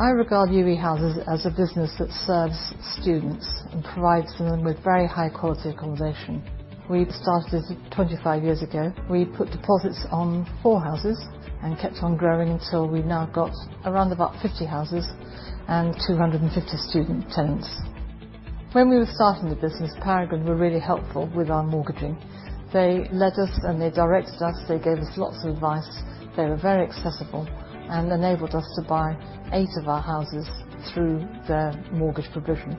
I regard UWE House as a business that serves students and provides them with very high quality accommodation. We started 25 years ago. We put deposits on 4 houses and kept on growing till we've now got around about 50 houses and 250 student tenants. When we were starting the business, Paragon were really helpful with our mortgaging. They led us and they directed us. They gave us lots of advice. They were very accessible and enabled us to buy 8 of our houses through their mortgage provision.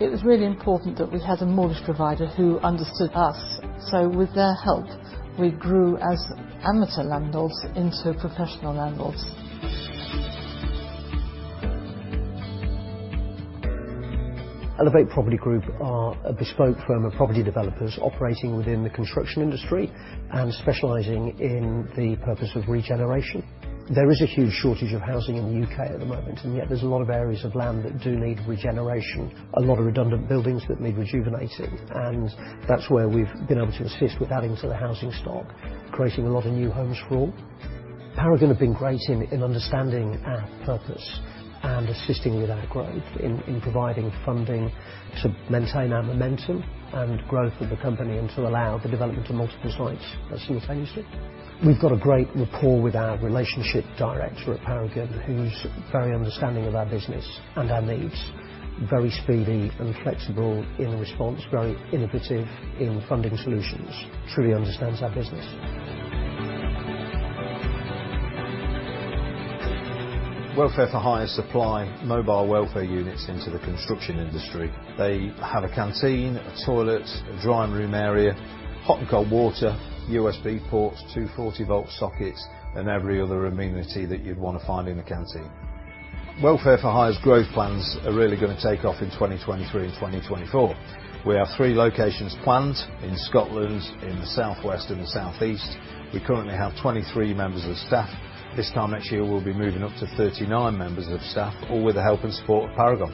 It was really important that we had a mortgage provider who understood us. With their help, we grew as amateur landlords into professional landlords. Elevate Property Group are a bespoke firm of property developers operating within the construction industry and specializing in the purpose of regeneration. There is a huge shortage of housing in the U.K. at the moment, and yet there's a lot of areas of land that do need regeneration, a lot of redundant buildings that need rejuvenating, and that's where we've been able to assist with adding to the housing stock, creating a lot of new homes for all. Paragon have been great in understanding our purpose and assisting with our growth in providing funding to maintain our momentum and growth of the company and to allow the development of multiple sites simultaneously. We've got a great rapport with our relationship director at Paragon, who's very understanding of our business and our needs. Very speedy and flexible in response. Very innovative in funding solutions. Truly understands our business. Welfare 4 Hire supply mobile welfare units into the construction industry. They have a canteen, a toilet, a drying room area, hot and cold water, USB ports, 240-volt sockets, and every other amenity that you'd wanna find in a canteen. Welfare 4 Hire's growth plans are really gonna take off in 2023 and 2024. We have three locations planned, in Scotland, in the southwest and the southeast. We currently have 23 members of staff. This time next year we'll be moving up to 39 members of staff, all with the help and support of Paragon.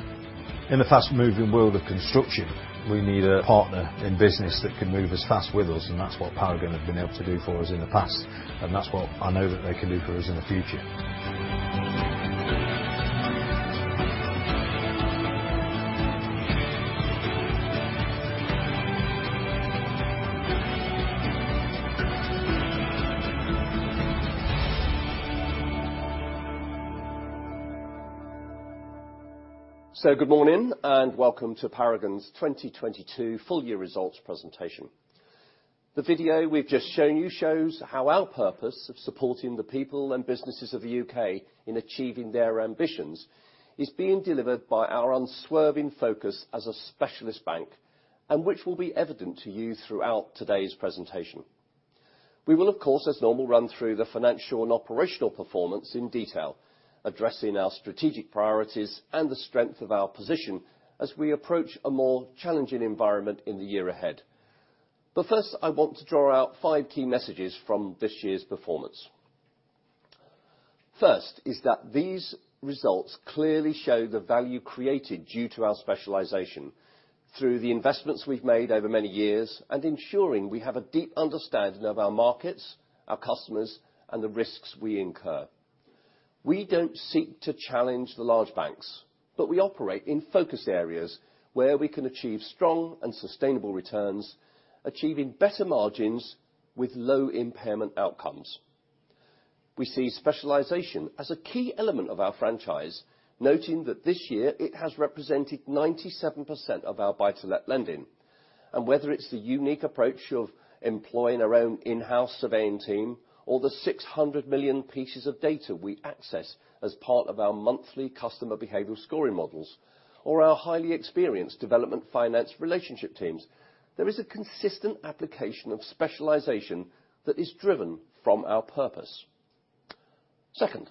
In the fast moving world of construction, we need a partner in business that can move as fast with us, and that's what Paragon have been able to do for us in the past, and that's what I know that they can do for us in the future. Good morning and welcome to Paragon's 2022 Full Year Results Presentation. The video we've just shown you shows how our purpose of supporting the people and businesses of the U.K. in achieving their ambitions is being delivered by our unswerving focus as a specialist bank, and which will be evident to you throughout today's presentation. We will, of course, as normal, run through the financial and operational performance in detail, addressing our strategic priorities and the strength of our position as we approach a more challenging environment in the year ahead. First, I want to draw out five key messages from this year's performance. First, is that these results clearly show the value created due to our specialization through the investments we've made over many years and ensuring we have a deep understanding of our markets, our customers, and the risks we incur. We don't seek to challenge the large banks, but we operate in focus areas where we can achieve strong and sustainable returns, achieving better margins with low impairment outcomes. We see specialization as a key element of our franchise, noting that this year it has represented 97% of our buy-to-let lending. Whether it's the unique approach of employing our own in-house surveying team or the 600 million pieces of data we access as part of our monthly customer behavioral scoring models, or our highly experienced development finance relationship teams, there is a consistent application of specialization that is driven from our purpose. Second,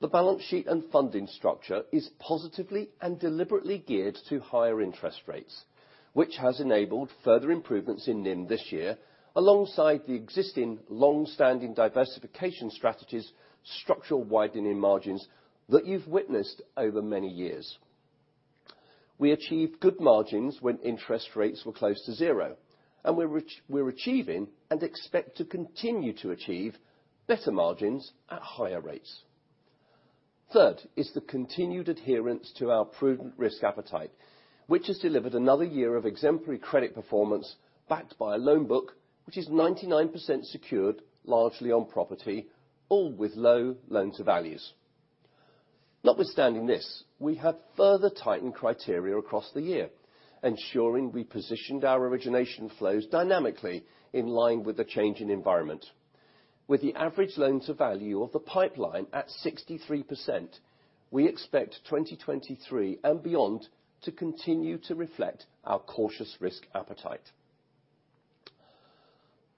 the balance sheet and funding structure is positively and deliberately geared to higher interest rates, which has enabled further improvements in NIM this year, alongside the existing long-standing diversification strategies, structural widening margins that you've witnessed over many years. We achieved good margins when interest rates were close to zero, and we're achieving and expect to continue to achieve better margins at higher rates. Third is the continued adherence to our prudent risk appetite, which has delivered another year of exemplary credit performance backed by a loan book, which is 99% secured largely on property or with low loan-to-values. Notwithstanding this, we have further tightened criteria across the year, ensuring we positioned our origination flows dynamically in line with the change in environment. With the average loan-to-value of the pipeline at 63%, we expect 2023 and beyond to continue to reflect our cautious risk appetite.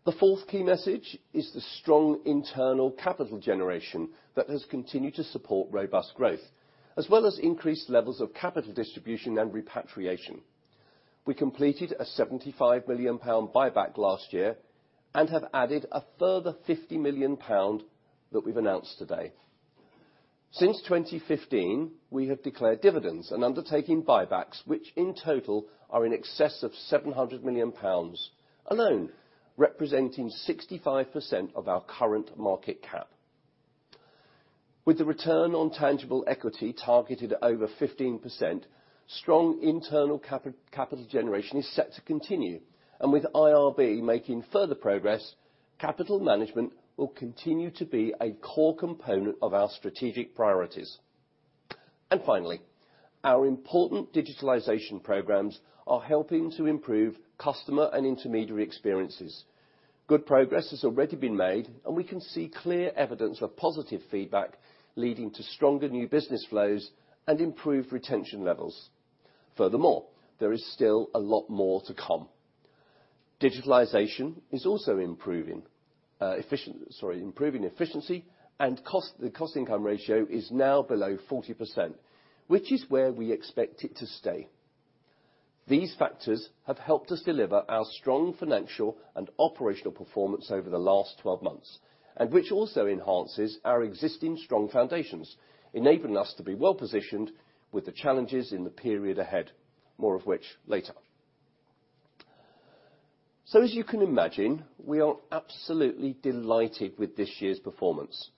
The fourth key message is the strong internal capital generation that has continued to support robust growth, as well as increased levels of capital distribution and repatriation. We completed a 75 million pound buyback last year and have added a further 50 million pound that we've announced today. Since 2015, we have declared dividends and undertaking buybacks which in total are in excess of 700 million pounds alone, representing 65% of our current market cap. With the return on tangible equity targeted at over 15%, strong internal capital generation is set to continue. With IRB making further progress, capital management will continue to be a core component of our strategic priorities. Finally, our important digitalization programs are helping to improve customer and intermediary experiences. Good progress has already been made, and we can see clear evidence of positive feedback, leading to stronger new business flows and improved retention levels. Furthermore, there is still a lot more to come. Digitalization is also improving efficiency and cost, the cost/income ratio is now below 40%, which is where we expect it to stay. These factors have helped us deliver our strong financial and operational performance over the last 12 months, which also enhances our existing strong foundations, enabling us to be well positioned with the challenges in the period ahead, more of which later. As you can imagine, we are absolutely delighted with this year's performance.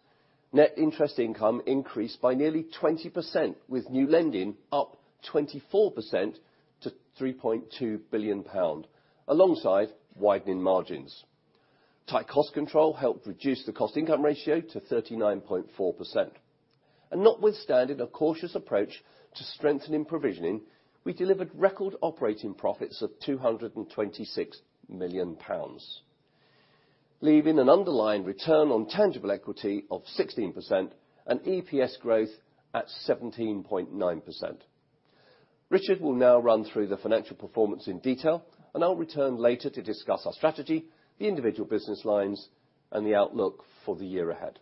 Net interest income increased by nearly 20%, with new lending up 24% to 3.2 billion pound, alongside widening margins. Tight cost control helped reduce the cost/income ratio to 39.4%. Notwithstanding a cautious approach to strengthening provisioning, we delivered record operating profits of 226 million pounds, leaving an underlying return on tangible equity of 16% and EPS growth at 17.9%. Richard will now run through the financial performance in detail, and I'll return later to discuss our strategy, the individual business lines, and the outlook for the year ahead.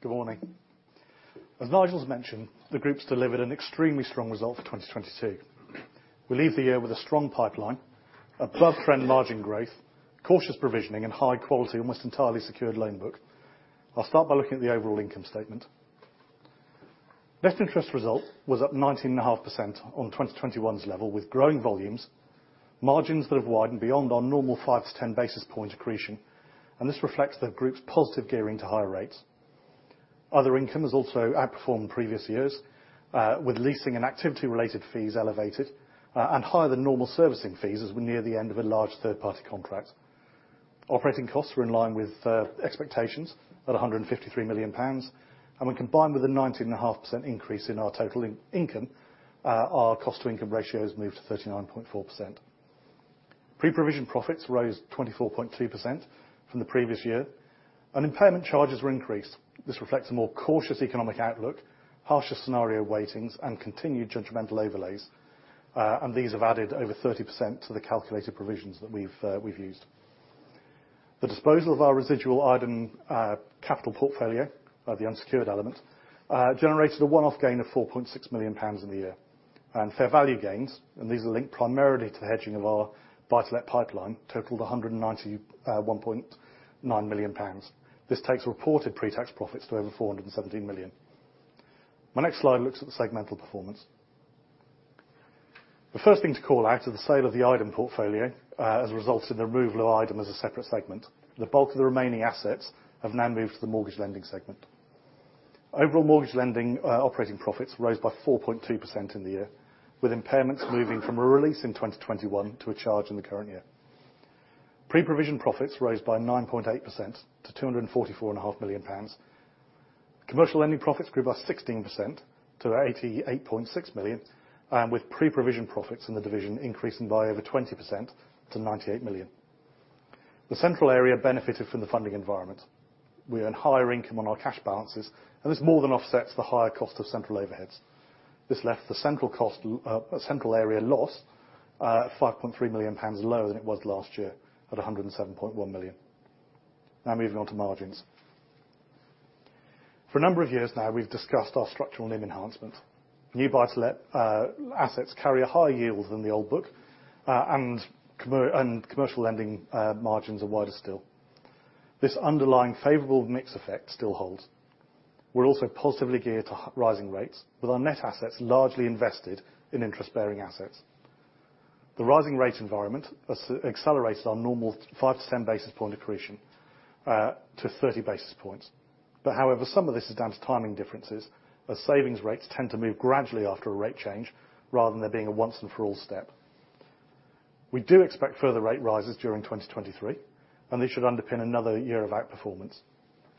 Good morning. As Nigel's mentioned, the group's delivered an extremely strong result for 2022. We leave the year with a strong pipeline, above-trend margin growth, cautious provisioning, and high quality, almost entirely secured loan book. I'll start by looking at the overall income statement. Net interest result was up 19.5% on 2021's level, with growing volumes, margins that have widened beyond our normal 5-10 basis point accretion, and this reflects the group's positive gearing to higher rates. Other income has also outperformed previous years, with leasing and activity related fees elevated, and higher than normal servicing fees as we near the end of a large third-party contract. Operating costs were in line with expectations at 153 million pounds, and when combined with a 19.5% increase in our total income, our cost/income ratio has moved to 39.4%. Pre-provision profits rose 24.2% from the previous year, impairment charges were increased. This reflects a more cautious economic outlook, harsher scenario weightings, and continued judgmental overlays. These have added over 30% to the calculated provisions that we've used. The disposal of our residual Idem Capital portfolio, the unsecured element, generated a one-off gain of 4.6 million pounds in the year. Fair value gains, and these are linked primarily to the hedging of our buy-to-let pipeline, totaled 191.9 million pounds. This takes reported pre-tax profits to over 417 million. My next slide looks at the segmental performance. The first thing to call out is the sale of the Idem portfolio, as a result in the removal of Idem as a separate segment. The bulk of the remaining assets have now moved to the mortgage lending segment. Overall mortgage lending, operating profits rose by 4.2% in the year, with impairments moving from a release in 2021 to a charge in the current year. Pre-provision profits rose by 9.8% to 244.5 million pounds. Commercial lending profits grew by 16% to 88.6 million, with pre-provision profits in the division increasing by over 20% to 98 million. The central area benefited from the funding environment. We earned higher income on our cash balances, and this more than offsets the higher cost of central overheads. This left the central area loss, 5.3 million pounds lower than it was last year at 107.1 million. Now moving on to margins. For a number of years now, we've discussed our structural NIM enhancement. New buy to let assets carry a higher yield than the old book, and commercial lending margins are wider still. This underlying favorable mix effect still holds. We're also positively geared to rising rates, with our net assets largely invested in interest bearing assets. The rising rate environment has accelerated our normal 5-10 basis point accretion to 30 basis points. However, some of this is down to timing differences, as savings rates tend to move gradually after a rate change, rather than there being a once and for all step. We do expect further rate rises during 2023, and this should underpin another year of outperformance,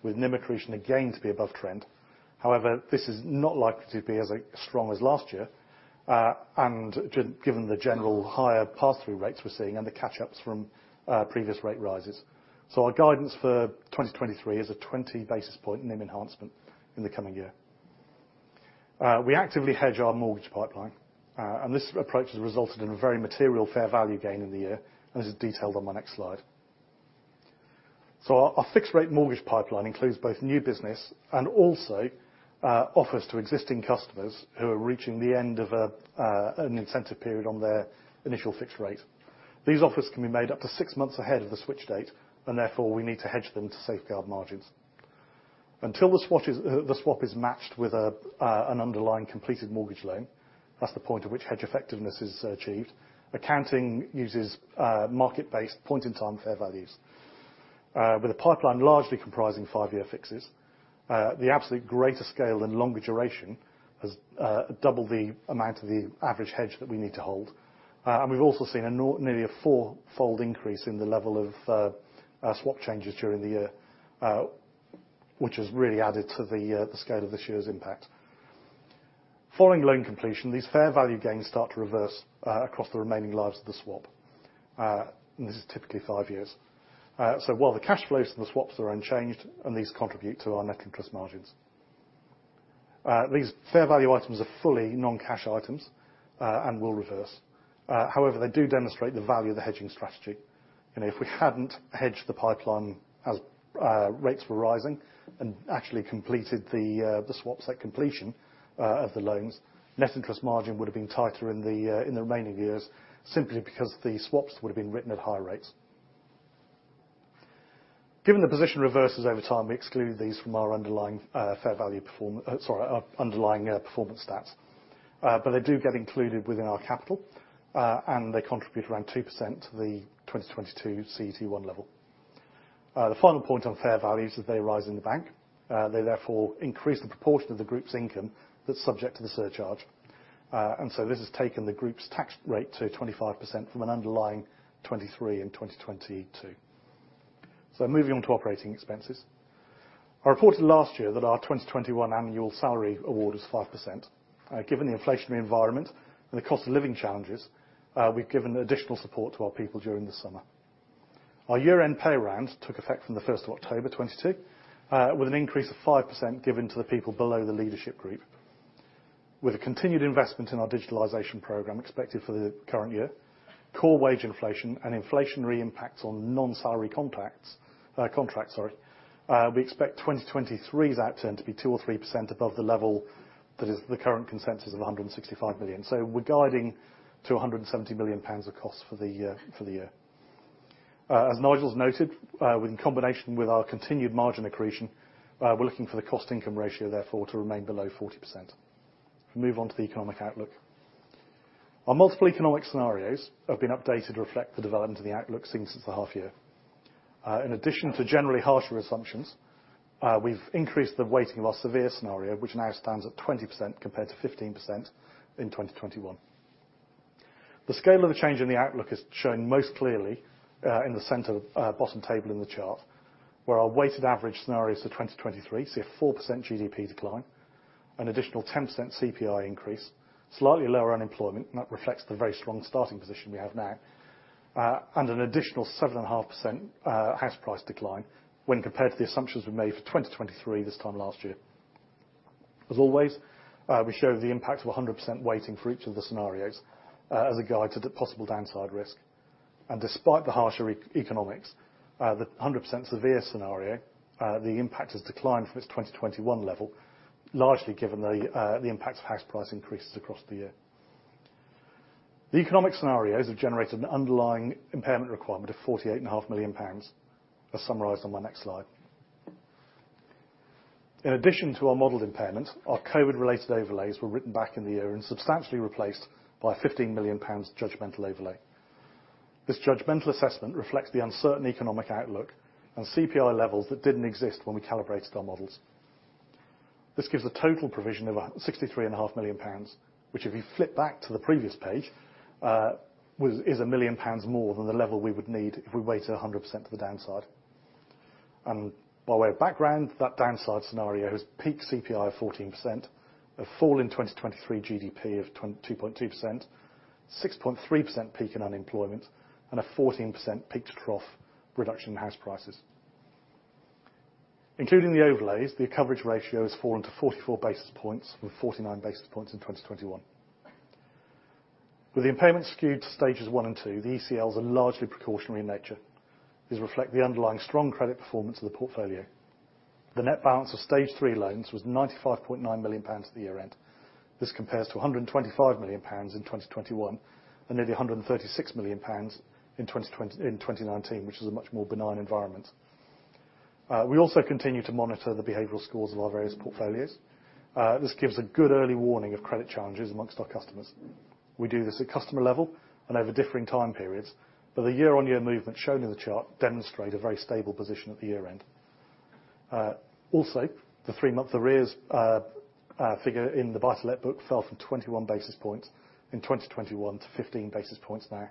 with NIM accretion again to be above trend. However, this is not likely to be as strong as last year, and given the general higher pass-through rates we're seeing and the catch-ups from previous rate rises. Our guidance for 2023 is a 20 basis point NIM enhancement in the coming year. We actively hedge our mortgage pipeline, and this approach has resulted in a very material fair value gain in the year, and this is detailed on my next slide. Our, our fixed rate mortgage pipeline includes both new business and also, offers to existing customers who are reaching the end of an incentive period on their initial fixed rate. These offers can be made up to 6 months ahead of the switch date, and therefore we need to hedge them to safeguard margins. Until the swap is matched with an underlying completed mortgage loan, that's the point at which hedge effectiveness is achieved. Accounting uses market-based point-in-time fair values. With a pipeline largely comprising 5-year fixes, the absolute greater scale and longer duration has doubled the amount of the average hedge that we need to hold. We've also seen nearly a 4-fold increase in the level of swap changes during the year, which has really added to the scale of this year's impact. Following loan completion, these fair value gains start to reverse across the remaining lives of the swap. This is typically five years. While the cash flows and the swaps are unchanged, and these contribute to our net interest margins. These fair value items are fully non-cash items, and will reverse. However, they do demonstrate the value of the hedging strategy. If we hadn't hedged the pipeline as rates were rising and actually completed the swaps at completion of the loans, net interest margin would have been tighter in the remaining years simply because the swaps would have been written at higher rates. Given the position reverses over time, we exclude these from our underlying, Sorry, our underlying performance stats. But they do get included within our capital and they contribute around 2% to the 2022 CET1 level. The final point on fair value is that they rise in the bank. They therefore increase the proportion of the group's income that's subject to the surcharge. This has taken the group's tax rate to 25% from an underlying 23 in 2022. Moving on to operating expenses. I reported last year that our 2021 annual salary award was 5%. Given the inflationary environment and the cost-of-living challenges, we've given additional support to our people during the summer. Our year-end pay round took effect from the 1st of October 2022, with an increase of 5% given to the people below the leadership group. With a continued investment in our digitalization program expected for the current year, core wage inflation and inflationary impacts on non-salary contacts, contracts, sorry, we expect 2023's outturn to be 2% or 3% above the level that is the current consensus of 165 million. We're guiding to 170 million pounds of cost for the year. As Nigel has noted, in combination with our continued margin accretion, we're looking for the cost/income ratio therefore to remain below 40%. Move on to the economic outlook. Our multiple economic scenarios have been updated to reflect the development of the outlook seen since the half year. In addition to generally harsher assumptions, we've increased the weighting of our severe scenario, which now stands at 20% compared to 15% in 2021. The scale of the change in the outlook is shown most clearly in the center of bottom table in the chart, where our weighted average scenarios for 2023 see a 4% GDP decline, an additional 10% CPI increase, slightly lower unemployment, and that reflects the very strong starting position we have now, and an additional 7.5% house price decline when compared to the assumptions we made for 2023 this time last year. As always, we show the impact of a 100% weighting for each of the scenarios as a guide to the possible downside risk. Despite the harsher economics, the 100% severe scenario, the impact has declined from its 2021 level, largely given the impact of house price increases across the year. The economic scenarios have generated an underlying impairment requirement of 48.5 million pounds, as summarized on my next slide. In addition to our modeled impairment, our COVID-related overlays were written back in the year and substantially replaced by 15 million pounds judgmental overlay. This judgmental assessment reflects the uncertain economic outlook and CPI levels that didn't exist when we calibrated our models. This gives a total provision of 63.5 million pounds, which if you flip back to the previous page, is 1 million pounds more than the level we would need if we weighted 100% to the downside. By way of background, that downside scenario has peak CPI of 14%, a fall in 2023 GDP of 2.2%, 6.3% peak in unemployment, and a 14% peak to trough reduction in house prices. Including the overlays, the coverage ratio has fallen to 44 basis points, with 49 basis points in 2021. With the impairment skewed to Stages 1 and 2, the ECLs are largely precautionary in nature. These reflect the underlying strong credit performance of the portfolio. The net balance of Stage 3 loans was 95.9 million pounds at the year-end. This compares to 125 million pounds in 2021 and nearly 136 million pounds in 2019, which is a much more benign environment. We also continue to monitor the behavioral scores of our various portfolios. This gives a good early warning of credit challenges amongst our customers. We do this at customer level and over differing time periods. The year-on-year movement shown in the chart demonstrate a very stable position at the year-end. Also the three-month arrears figure in the buy-to-let book fell from 21 basis points in 2021 to 15 basis points now.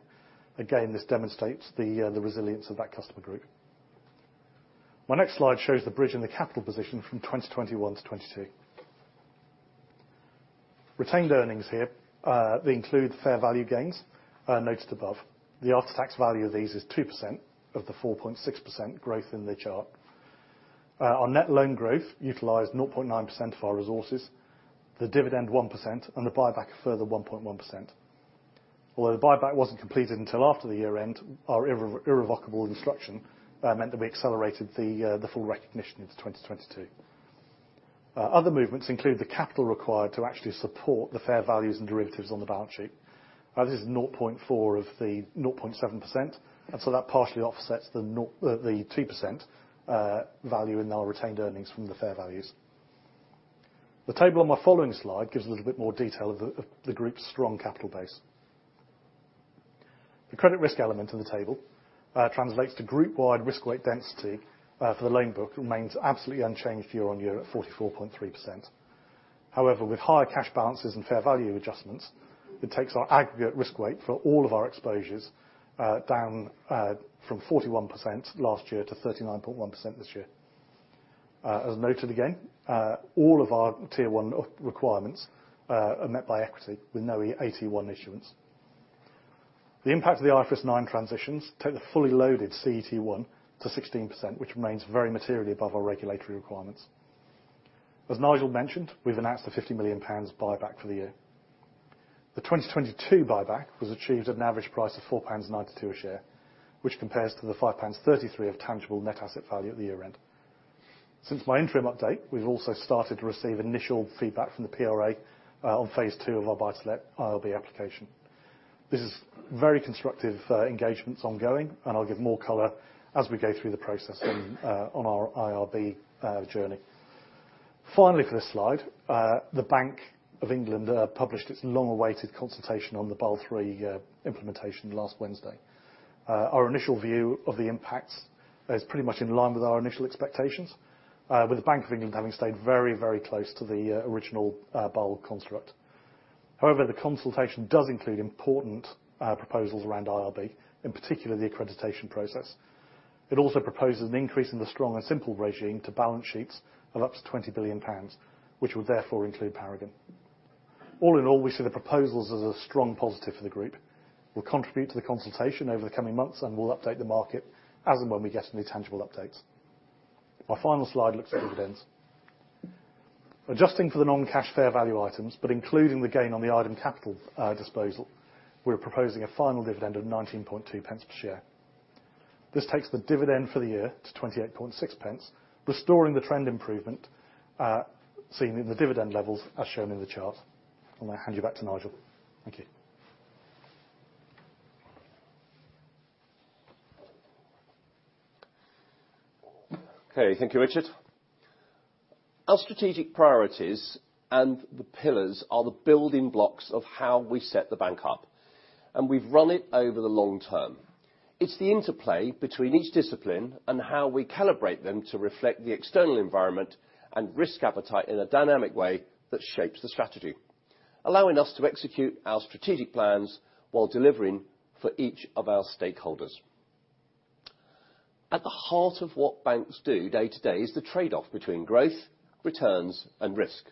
Again, this demonstrates the resilience of that customer group. My next slide shows the bridge in the capital position from 2021 to 2022. Retained earnings here, they include fair value gains noted above. The after-tax value of these is 2% of the 4.6% growth in the chart. Our net loan growth utilized 0.9% of our resources, the dividend 1%, the buyback a further 1.1%. The buyback wasn't completed until after the year end, our irrevocable instruction meant that we accelerated the full recognition into 2022. Other movements include the capital required to actually support the fair values and derivatives on the balance sheet. This is 0.4 of the 0.7%, that partially offsets the naught. The 2% value in our retained earnings from the fair values. The table on my following slide gives a little bit more detail of the group's strong capital base. The credit risk element in the table translates to group-wide risk weight density for the loan book remains absolutely unchanged year-on-year at 44.3%. However, with higher cash balances and fair value adjustments, it takes our aggregate risk weight for all of our exposures down from 41% last year to 39.1% this year. As noted again, all of our Tier 1 requirements are met by equity with no AT1 issuance. The impact of the IFRS 9 transitions take the fully loaded CET1 to 16%, which remains very materially above our regulatory requirements. As Nigel mentioned, we've announced the 50 million pounds buyback for the year. The 2022 buyback was achieved at an average price of 4.92 pounds a share, which compares to the 5.33 pounds of tangible net asset value at the year-end. Since my interim update, we've also started to receive initial feedback from the PRA on phase 2 of our select IRB application. This is very constructive, engagements ongoing. I'll give more color as we go through the process on our IRB journey. Finally, for this slide, the Bank of England published its long-awaited consultation on the Basel III implementation last Wednesday. Our initial view of the impacts is pretty much in line with our initial expectations, with the Bank of England having stayed very, very close to the original Basel construct. The consultation does include important proposals around IRB, in particular the accreditation process. It also proposes an increase in the Strong and Simple regime to balance sheets of up to 20 billion pounds, which would therefore include Paragon. We see the proposals as a strong positive for the group. We'll contribute to the consultation over the coming months, and we'll update the market as and when we get any tangible updates. My final slide looks at dividends. Adjusting for the non-cash fair value items, but including the gain on the Idem Capital disposal, we're proposing a final dividend of 19.2 pence per share. This takes the dividend for the year to 28.6 pence, restoring the trend improvement seen in the dividend levels as shown in the chart. I'm gonna hand you back to Nigel. Thank you. Okay. Thank you, Richard. Our strategic priorities and the pillars are the building blocks of how we set the bank up, and we've run it over the long term. It's the interplay between each discipline and how we calibrate them to reflect the external environment and risk appetite in a dynamic way that shapes the strategy, allowing us to execute our strategic plans while delivering for each of our stakeholders. At the heart of what banks do day to day is the trade-off between growth, returns, and risk.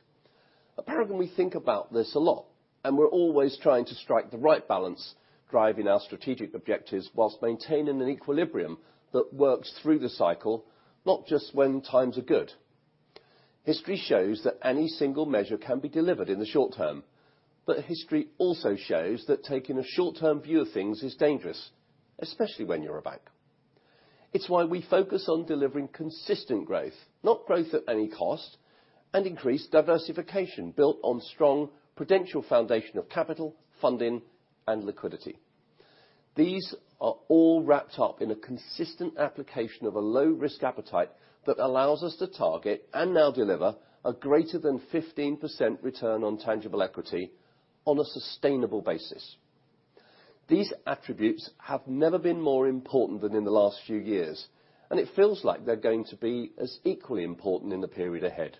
At Paragon, we think about this a lot, and we're always trying to strike the right balance, driving our strategic objectives whilst maintaining an equilibrium that works through the cycle, not just when times are good. History shows that any single measure can be delivered in the short term, but history also shows that taking a short-term view of things is dangerous, especially when you're a bank. It's why we focus on delivering consistent growth, not growth at any cost, and increased diversification built on strong prudential foundation of capital, funding, and liquidity. These are all wrapped up in a consistent application of a low risk appetite that allows us to target and now deliver a greater than 15% return on tangible equity on a sustainable basis. These attributes have never been more important than in the last few years, and it feels like they're going to be as equally important in the period ahead.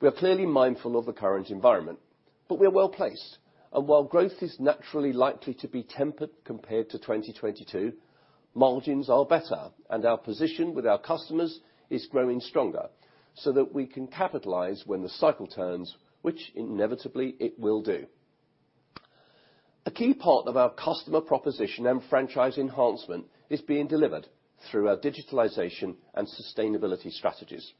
We are clearly mindful of the current environment, but we're well-placed. While growth is naturally likely to be tempered compared to 2022, margins are better, and our position with our customers is growing stronger so that we can capitalize when the cycle turns, which inevitably it will do. A key part of our customer proposition and franchise enhancement is being delivered through our digitalization and sustainability strategies.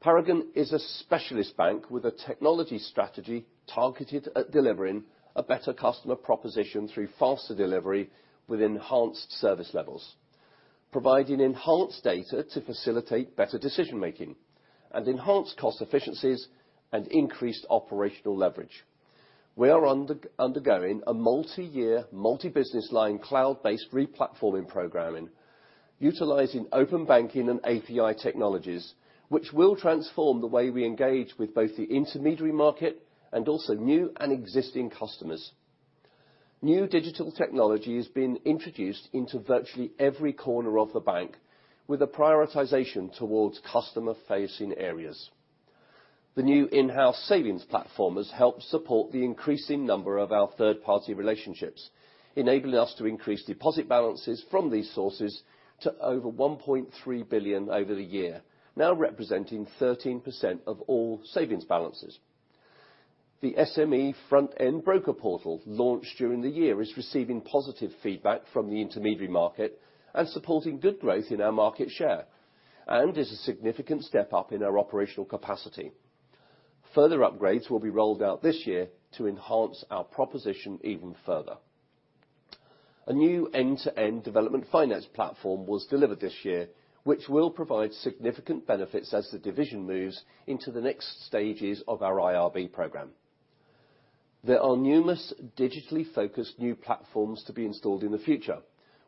Paragon is a specialist bank with a technology strategy targeted at delivering a better customer proposition through faster delivery with enhanced service levels, providing enhanced data to facilitate better decision-making and enhanced cost efficiencies and increased operational leverage. We are undergoing a multi-year, multi-business line cloud-based replatforming programming utilizing Open Banking and API technologies, which will transform the way we engage with both the intermediary market and also new and existing customers. New digital technology is being introduced into virtually every corner of the bank with a prioritization towards customer-facing areas. The new in-house savings platform has helped support the increasing number of our third-party relationships, enabling us to increase deposit balances from these sources to over 1.3 billion over the year, now representing 13% of all savings balances. The SME front-end broker portal launched during the year is receiving positive feedback from the intermediary market and supporting good growth in our market share, and is a significant step up in our operational capacity. Further upgrades will be rolled out this year to enhance our proposition even further. A new end-to-end development finance platform was delivered this year, which will provide significant benefits as the division moves into the next stages of our IRB program. There are numerous digitally focused new platforms to be installed in the future.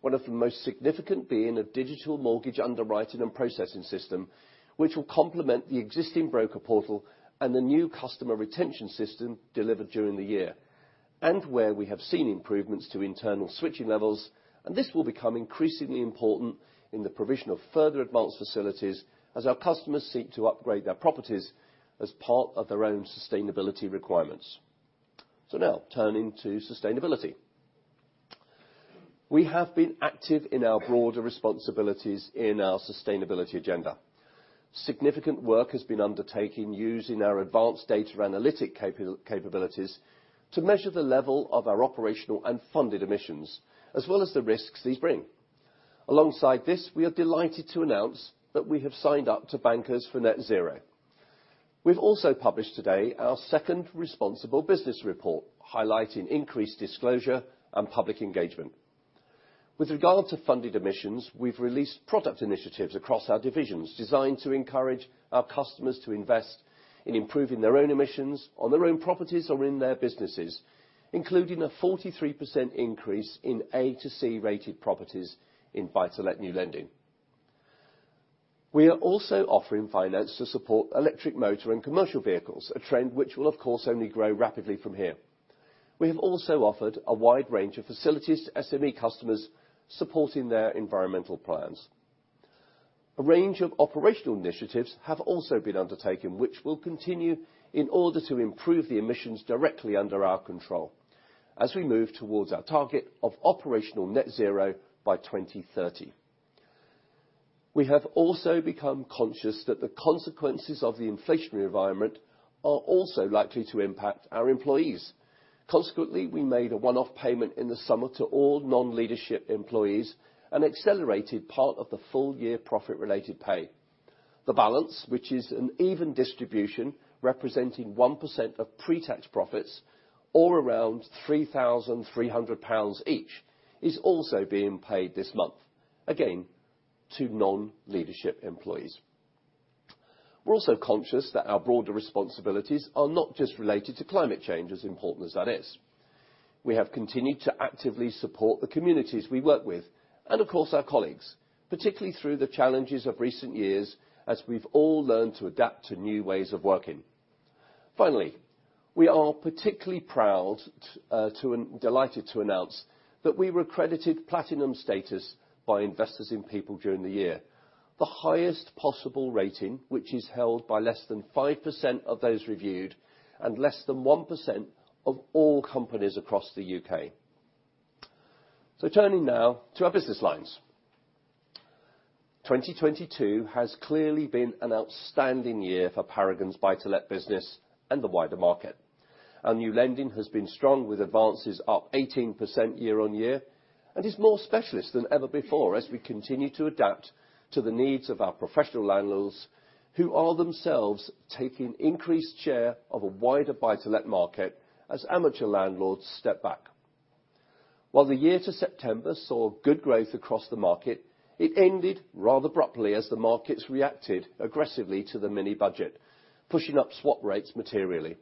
One of the most significant being a digital mortgage underwriting and processing system, which will complement the existing broker portal and the new customer retention system delivered during the year, where we have seen improvements to internal switching levels, this will become increasingly important in the provision of further advanced facilities as our customers seek to upgrade their properties as part of their own sustainability requirements. Now turning to sustainability. We have been active in our broader responsibilities in our sustainability agenda. Significant work has been undertaken using our advanced data analytic capabilities to measure the level of our operational and funded emissions, as well as the risks these bring. Alongside this, we are delighted to announce that we have signed up to Bankers for Net Zero. We've also published today our second responsible business report, highlighting increased disclosure and public engagement. With regard to funded emissions, we've released product initiatives across our divisions designed to encourage our customers to invest in improving their own emissions on their own properties or in their businesses, including a 43% increase in A to C rated properties in Buy to Let new lending. We are also offering finance to support electric motor and commercial vehicles, a trend which will of course only grow rapidly from here. We have also offered a wide range of facilities to SME customers supporting their environmental plans. A range of operational initiatives have also been undertaken, which will continue in order to improve the emissions directly under our control as we move towards our target of operational net zero by 2030. We have also become conscious that the consequences of the inflationary environment are also likely to impact our employees. Consequently, we made a one-off payment in the summer to all non-leadership employees and accelerated part of the full-year profit-related pay. The balance, which is an even distribution representing 1% of pre-tax profits, or around 3,300 pounds each, is also being paid this month, again, to non-leadership employees. We're also conscious that our broader responsibilities are not just related to climate change, as important as that is. We have continued to actively support the communities we work with, and of course, our colleagues, particularly through the challenges of recent years as we've all learned to adapt to new ways of working. Finally, we are particularly proud and delighted to announce that we were accredited platinum status by Investors in People during the year. The highest possible rating, which is held by less than 5% of those reviewed and less than 1% of all companies across the U.K. Turning now to our business lines. 2022 has clearly been an outstanding year for Paragon's buy-to-let business and the wider market. Our new lending has been strong, with advances up 18% year-on-year, and is more specialist than ever before as we continue to adapt to the needs of our professional landlords, who are themselves taking increased share of a wider Buy to Let market as amateur landlords step back. While the year to September saw good growth across the market, it ended rather abruptly as the markets reacted aggressively to the mini budget, pushing up swap rates materially.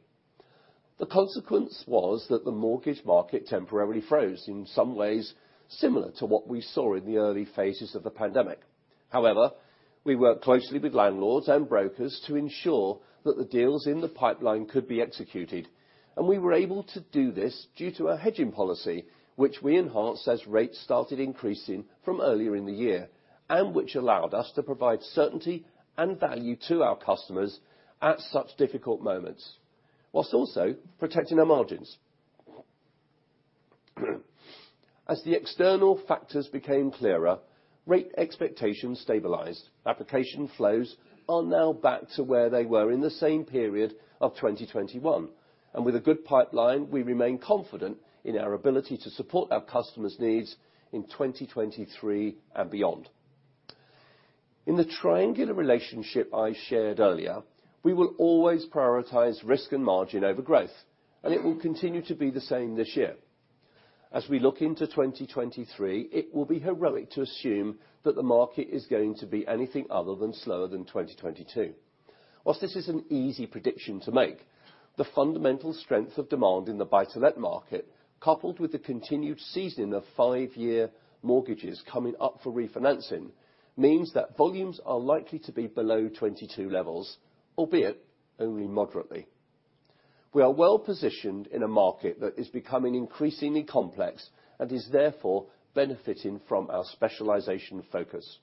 The consequence was that the mortgage market temporarily froze, in some ways, similar to what we saw in the early phases of the pandemic. We worked closely with landlords and brokers to ensure that the deals in the pipeline could be executed, and we were able to do this due to our hedging policy, which we enhanced as rates started increasing from earlier in the year, and which allowed us to provide certainty and value to our customers at such difficult moments, while also protecting our margins. The external factors became clearer, rate expectations stabilized. Application flows are now back to where they were in the same period of 2021. With a good pipeline, we remain confident in our ability to support our customers' needs in 2023 and beyond. In the triangular relationship I shared earlier, we will always prioritize risk and margin over growth, and it will continue to be the same this year. As we look into 2023, it will be heroic to assume that the market is going to be anything other than slower than 2022. While this is an easy prediction to make, the fundamental strength of demand in the Buy to Let market, coupled with the continued seasoning of 5-year mortgages coming up for refinancing, means that volumes are likely to be below 22 levels, albeit only moderately. We are well-positioned in a market that is becoming increasingly complex and is therefore benefiting from our specialization focus.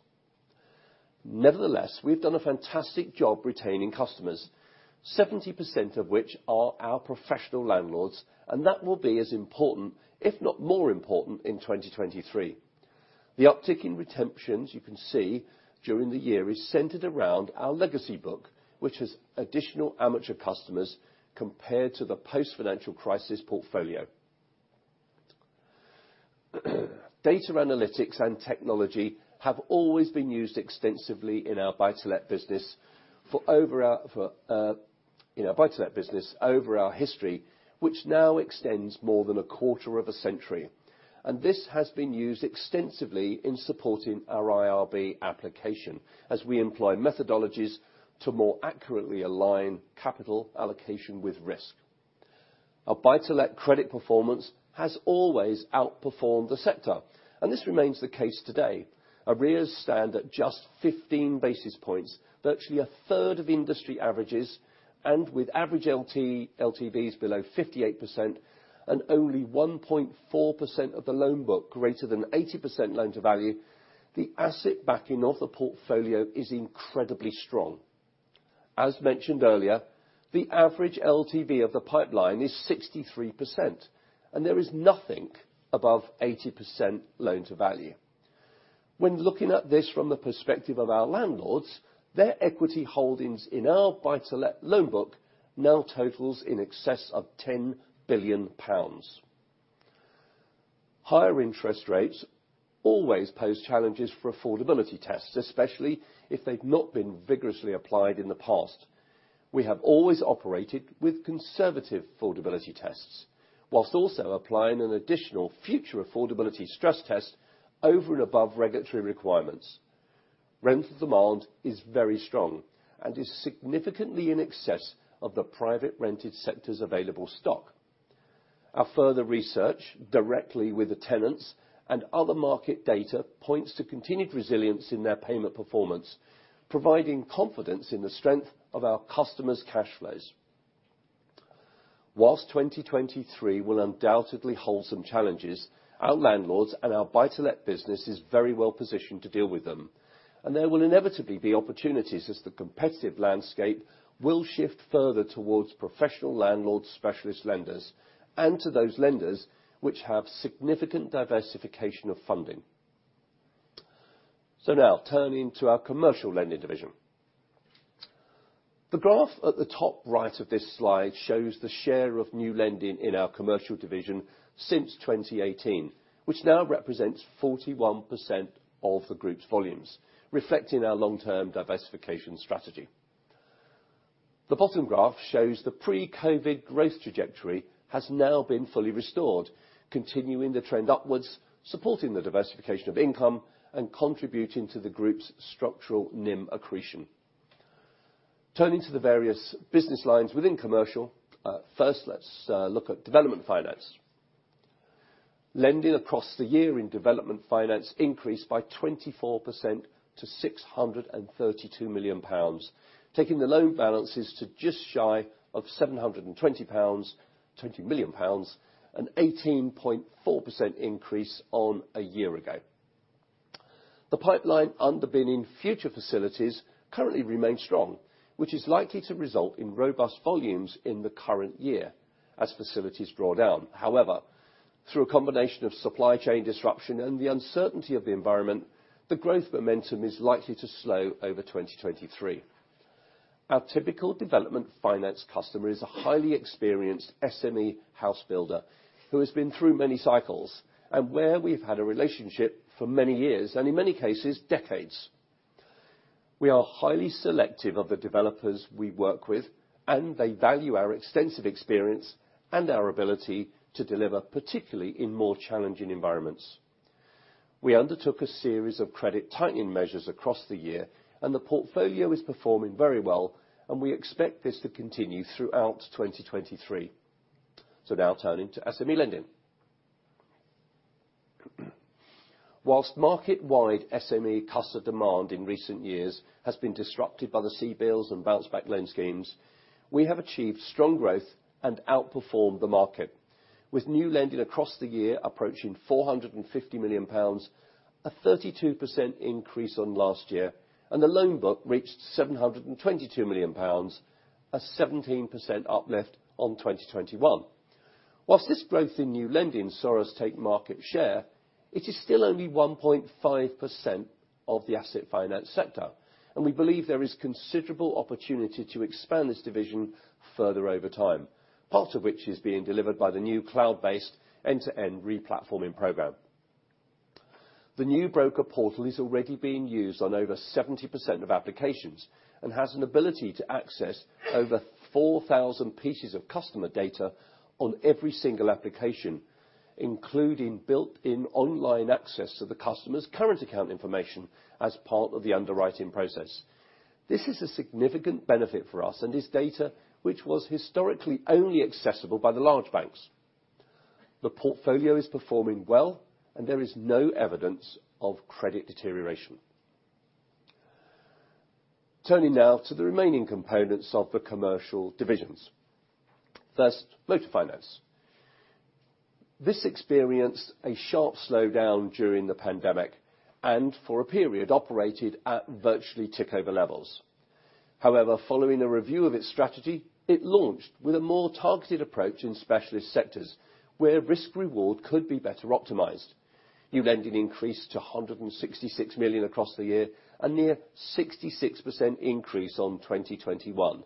Nevertheless, we've done a fantastic job retaining customers, 70% of which are our professional landlords, and that will be as important, if not more important, in 2023. The uptick in retentions, you can see during the year, is centered around our legacy book, which has additional amateur customers compared to the post-financial crisis portfolio. Data analytics and technology have always been used extensively in our buy-to-let business for over our buy-to-let business over our history, which now extends more than a quarter of a century. This has been used extensively in supporting our IRB application as we employ methodologies to more accurately align capital allocation with risk. Our buy-to-let credit performance has always outperformed the sector, and this remains the case today. Arrears stand at just 15 basis points, virtually a third of industry averages, and with average LTVs below 58% and only 1.4% of the loan book greater than 80% loan-to-value, the asset backing of the portfolio is incredibly strong. As mentioned earlier, the average LTV of the pipeline is 63%, and there is nothing above 80% loan to value. When looking at this from the perspective of our landlords, their equity holdings in our buy-to-let loan book now totals in excess of 10 billion pounds. Higher interest rates always pose challenges for affordability tests, especially if they've not been vigorously applied in the past. We have always operated with conservative affordability tests, while also applying an additional future affordability stress test over and above regulatory requirements. Rental demand is very strong and is significantly in excess of the private rented sector's available stock. Our further research directly with the tenants and other market data points to continued resilience in their payment performance, providing confidence in the strength of our customers' cash flows. Whilst 2023 will undoubtedly hold some challenges, our landlords and our buy-to-let business is very well positioned to deal with them. There will inevitably be opportunities as the competitive landscape will shift further towards professional landlord specialist lenders and to those lenders which have significant diversification of funding. Now turning to our commercial lending division. The graph at the top right of this slide shows the share of new lending in our commercial division since 2018, which now represents 41% of the group's volumes, reflecting our long-term diversification strategy. The bottom graph shows the pre-COVID growth trajectory has now been fully restored, continuing the trend upwards, supporting the diversification of income, and contributing to the group's structural NIM accretion. Turning to the various business lines within commercial, first, let's look at development finance. Lending across the year in development finance increased by 24% to 632 million pounds, taking the loan balances to just shy of 20 million pounds, an 18.4% increase on a year ago. The pipeline underpinning future facilities currently remains strong, which is likely to result in robust volumes in the current year as facilities draw down. Through a combination of supply chain disruption and the uncertainty of the environment, the growth momentum is likely to slow over 2023. Our typical development finance customer is a highly experienced SME house builder who has been through many cycles and where we've had a relationship for many years, and in many cases, decades. We are highly selective of the developers we work with, and they value our extensive experience and our ability to deliver, particularly in more challenging environments. We undertook a series of credit tightening measures across the year and the portfolio is performing very well, and we expect this to continue throughout 2023. Now turning to SME lending. Whilst market-wide SME customer demand in recent years has been disrupted by the CBILS and Bounce Back Loan schemes, we have achieved strong growth and outperformed the market with new lending across the year approaching 450 million pounds, a 32% increase on last year, and the loan book reached 722 million pounds, a 17% uplift on 2021. Whilst this growth in new lending saw us take market share, it is still only 1.5% of the asset finance sector, and we believe there is considerable opportunity to expand this division further over time, part of which is being delivered by the new cloud-based end-to-end re-platforming program. The new broker portal is already being used on over 70% of applications and has an ability to access over 4,000 pieces of customer data on every single application, including built-in online access to the customer's current account information as part of the underwriting process. This is a significant benefit for us and is data which was historically only accessible by the large banks. The portfolio is performing well, and there is no evidence of credit deterioration. Turning now to the remaining components of the commercial divisions. First, motor finance. This experienced a sharp slowdown during the pandemic and for a period, operated at virtually tick over levels. However, following a review of its strategy, it launched with a more targeted approach in specialist sectors, where risk reward could be better optimized. New lending increased to 166 million across the year, a near 66% increase on 2021.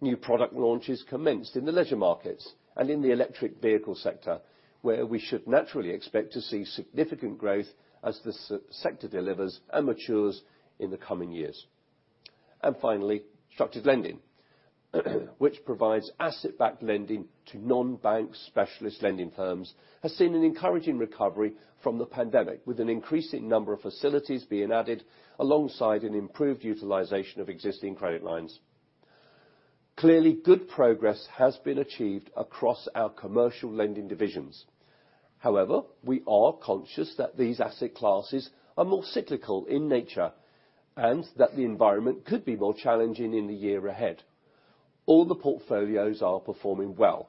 New product launches commenced in the leisure markets and in the electric vehicle sector, where we should naturally expect to see significant growth as the sector delivers and matures in the coming years. Finally, structured lending, which provides asset-backed lending to non-bank specialist lending firms, has seen an encouraging recovery from the pandemic, with an increasing number of facilities being added alongside an improved utilization of existing credit lines. Clearly, good progress has been achieved across our commercial lending divisions. However, we are conscious that these asset classes are more cyclical in nature and that the environment could be more challenging in the year ahead. All the portfolios are performing well.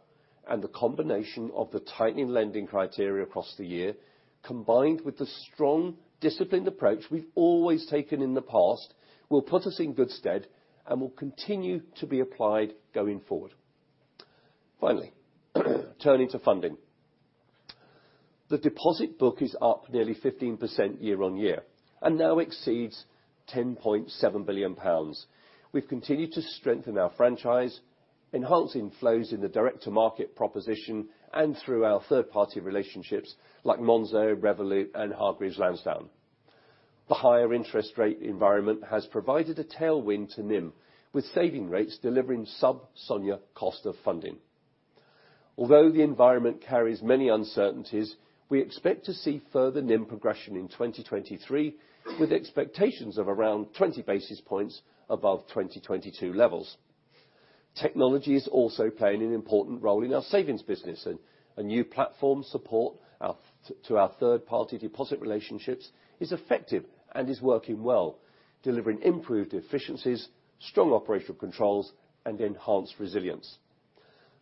The combination of the tightening lending criteria across the year, combined with the strong, disciplined approach we've always taken in the past, will put us in good stead and will continue to be applied going forward. Finally, turning to funding. The deposit book is up nearly 15% year-on-year and now exceeds 10.7 billion pounds. We've continued to strengthen our franchise, enhancing flows in the direct-to-market proposition and through our third-party relationships like Monzo, Revolut, and Hargreaves Lansdown. The higher interest rate environment has provided a tailwind to NIM, with saving rates delivering sub-SONIA cost of funding. Although the environment carries many uncertainties, we expect to see further NIM progression in 2023, with expectations of around 20 basis points above 2022 levels. Technology is also playing an important role in our savings business. A new platform to support our third-party deposit relationships is effective and is working well, delivering improved efficiencies, strong operational controls, and enhanced resilience.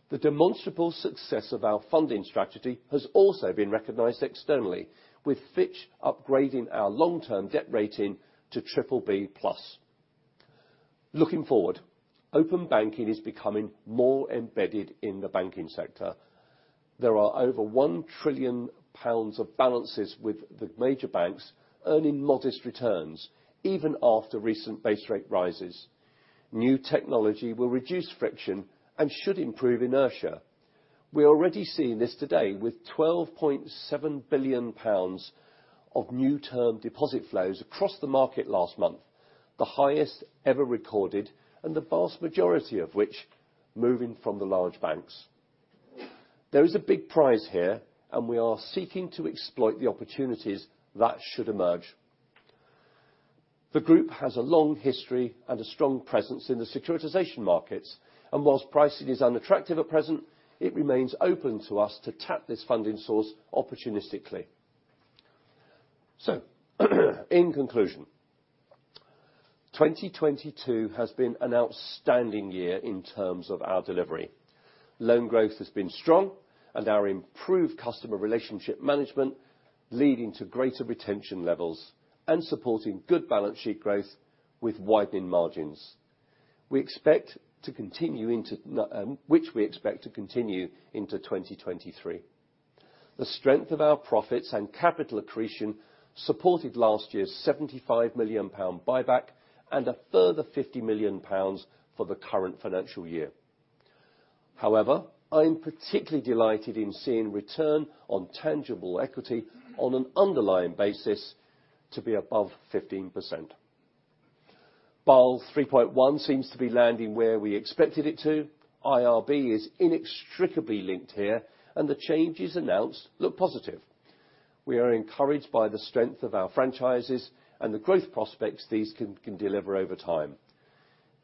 The demonstrable success of our funding strategy has also been recognized externally, with Fitch upgrading our long-term debt rating to BBB+. Looking forward, Open Banking is becoming more embedded in the banking sector. There are over 1 trillion pounds of balances with the major banks earning modest returns even after recent base rate rises. New technology will reduce friction and should improve inertia. We're already seeing this today with 12.7 billion pounds of new term deposit flows across the market last month, the highest ever recorded, and the vast majority of which moving from the large banks. There is a big prize here, and we are seeking to exploit the opportunities that should emerge. The group has a long history and a strong presence in the securitization markets, and whilst pricing is unattractive at present, it remains open to us to tap this funding source opportunistically. In conclusion, 2022 has been an outstanding year in terms of our delivery. Loan growth has been strong and our improved customer relationship management leading to greater retention levels and supporting good balance sheet growth with widening margins. Which we expect to continue into 2023. The strength of our profits and capital accretion supported last year's 75 million pound buyback and a further 50 million pounds for the current financial year. I'm particularly delighted in seeing return on tangible equity on an underlying basis to be above 15%. Basel 3.1 seems to be landing where we expected it to. IRB is inextricably linked here. The changes announced look positive. We are encouraged by the strength of our franchises and the growth prospects these can deliver over time.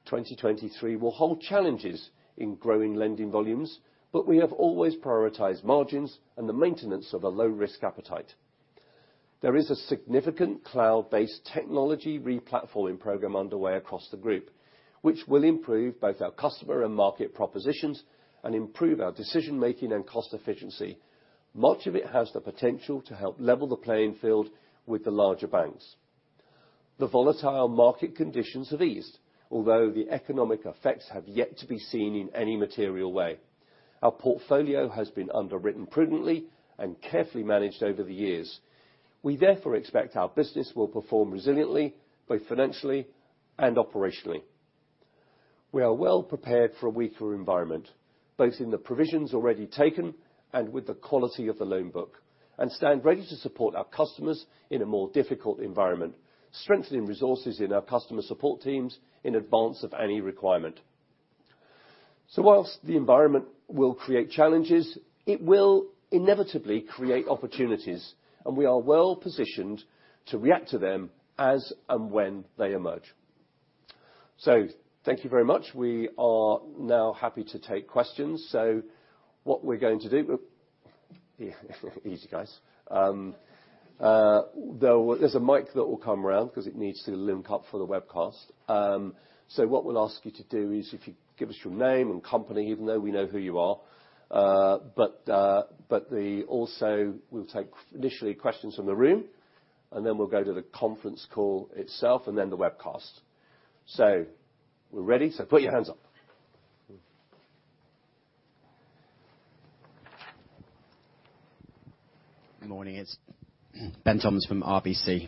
2023 will hold challenges in growing lending volumes, but we have always prioritized margins and the maintenance of a low-risk appetite. There is a significant cloud-based technology replatforming program underway across the group, which will improve both our customer and market propositions and improve our decision-making and cost efficiency. Much of it has the potential to help level the playing field with the larger banks. The volatile market conditions have eased, although the economic effects have yet to be seen in any material way. Our portfolio has been underwritten prudently and carefully managed over the years. We therefore expect our business will perform resiliently, both financially and operationally. We are well prepared for a weaker environment, both in the provisions already taken and with the quality of the loan book, and stand ready to support our customers in a more difficult environment, strengthening resources in our customer support teams in advance of any requirement. Whilst the environment will create challenges, it will inevitably create opportunities, and we are well-positioned to react to them as and when they emerge. Thank you very much. We are now happy to take questions. What we're going to do. Easy, guys. There's a mic that will come round because it needs to link up for the webcast. What we'll ask you to do is if you give us your name and company, even though we know who you are, but also we'll take initially questions from the room. Then we'll go to the conference call itself, and then the webcast. We're ready, so put your hands up. Good morning. It's Ben Toms from RBC.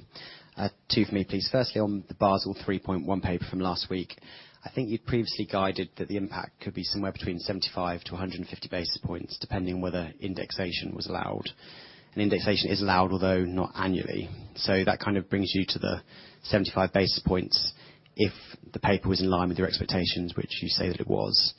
Two for me, please. Firstly, on the Basel 3.1 paper from last week, I think you'd previously guided that the impact could be somewhere between 75-150 basis points, depending on whether indexation was allowed. Indexation is allowed, although not annually. That kind of brings you to the 75 basis points if the paper was in line with your expectations, which you say that it was.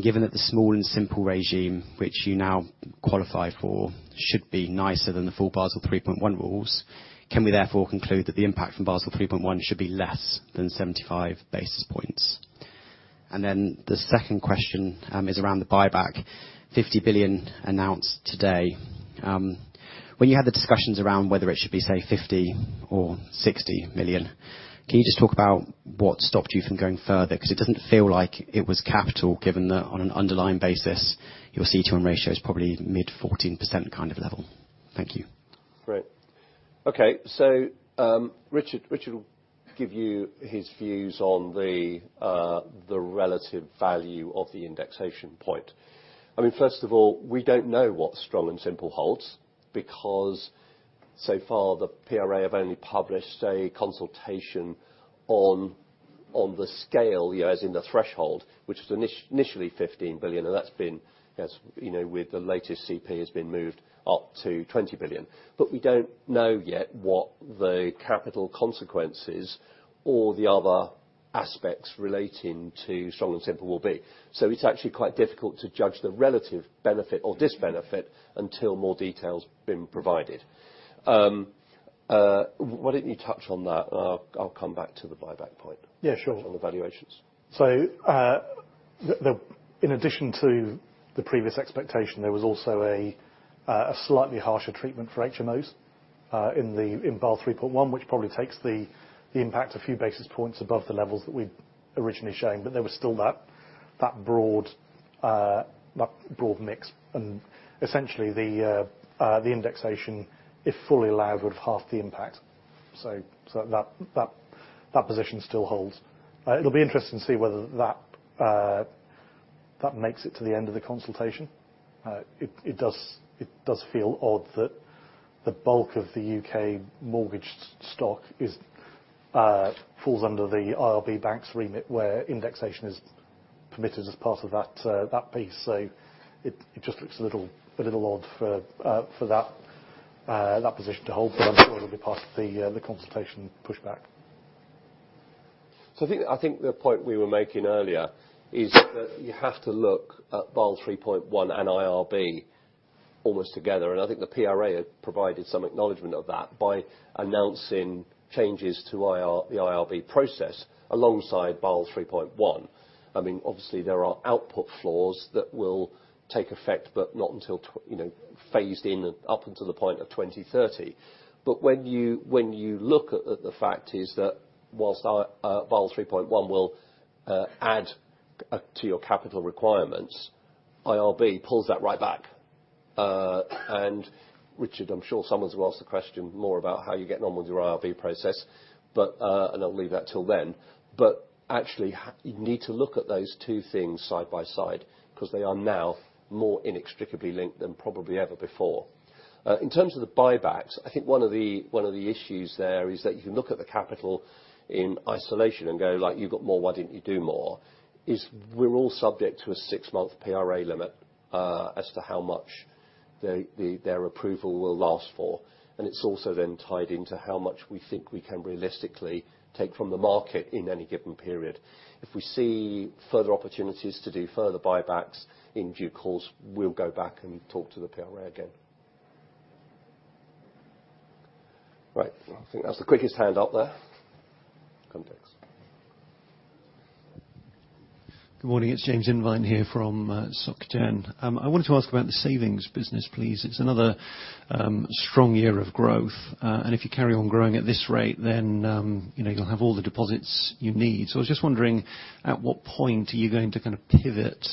Given that the Strong and Simple regime which you now qualify for should be nicer than the full Basel 3.1 rules, can we therefore conclude that the impact from Basel 3.1 should be less than 75 basis points? The second question is around the buyback. 50 billion announced today. When you had the discussions around whether it should be, say, 50 million or 60 million, can you just talk about what stopped you from going further? It doesn't feel like it was capital, given that on an underlying basis, your CET1 ratio is probably mid-14% level. Thank you. Great. Okay. Richard will give you his views on the relative value of the indexation point. I mean, first of all, we don't know what Strong and Simple holds because so far the PRA have only published a consultation on the scale, you know, as in the threshold, which was initially 15 billion, and that's been, as, you know, with the latest CP, has been moved up to 20 billion. We don't know yet what the capital consequences or the other aspects relating to Strong and Simple will be. It's actually quite difficult to judge the relative benefit or disbenefit until more detail's been provided. Why don't you touch on that, and I'll come back to the buyback point on the valuations. In addition to the previous expectation, there was also a slightly harsher treatment for HMOs in Basel 3.1, which probably takes the impact a few basis points above the levels that we'd originally shown. There was still that broad mix. Essentially the indexation, if fully allowed, would half the impact. That position still holds. It'll be interesting to see whether that makes it to the end of the consultation. It does feel odd that the bulk of the U.K. mortgage stock is falls under the IRB banks remit, where indexation is permitted as part of that piece. It just looks a little odd for that position to hold, but I'm sure it'll be part of the consultation pushback. I think the point we were making earlier is that you have to look at Basel 3.1 and IRB almost together. I think the PRA provided some acknowledgement of that by announcing changes to the IRB process alongside Basel 3.1. I mean, obviously there are output floors that will take effect, but not until you know, phased in up until the point of 2030. When you look at the fact is that whilst Basel 3.1 will add to your capital requirements, IRB pulls that right back. Richard, I'm sure someone's asked the question more about how you get on with your IRB process, but, and I'll leave that till then. Actually, you need to look at those two things side by side, 'cause they are now more inextricably linked than probably ever before. In terms of the buybacks, I think one of the issues there is that you can look at the capital in isolation and go like, "You've got more, why didn't you do more?" Is we're all subject to a 6-month PRA limit, as to how much the their approval will last for. It's also then tied into how much we think we can realistically take from the market in any given period. If we see further opportunities to do further buybacks in due course, we'll go back and talk to the PRA again. Right. I think that's the quickest hand up there. Good morning. It's James Irvine here from Société Générale. I wanted to ask about the savings business, please. It's another strong year of growth. If you carry on growing at this rate, then you'll have all the deposits you need. I was just wondering, at what point are you going to kind of pivot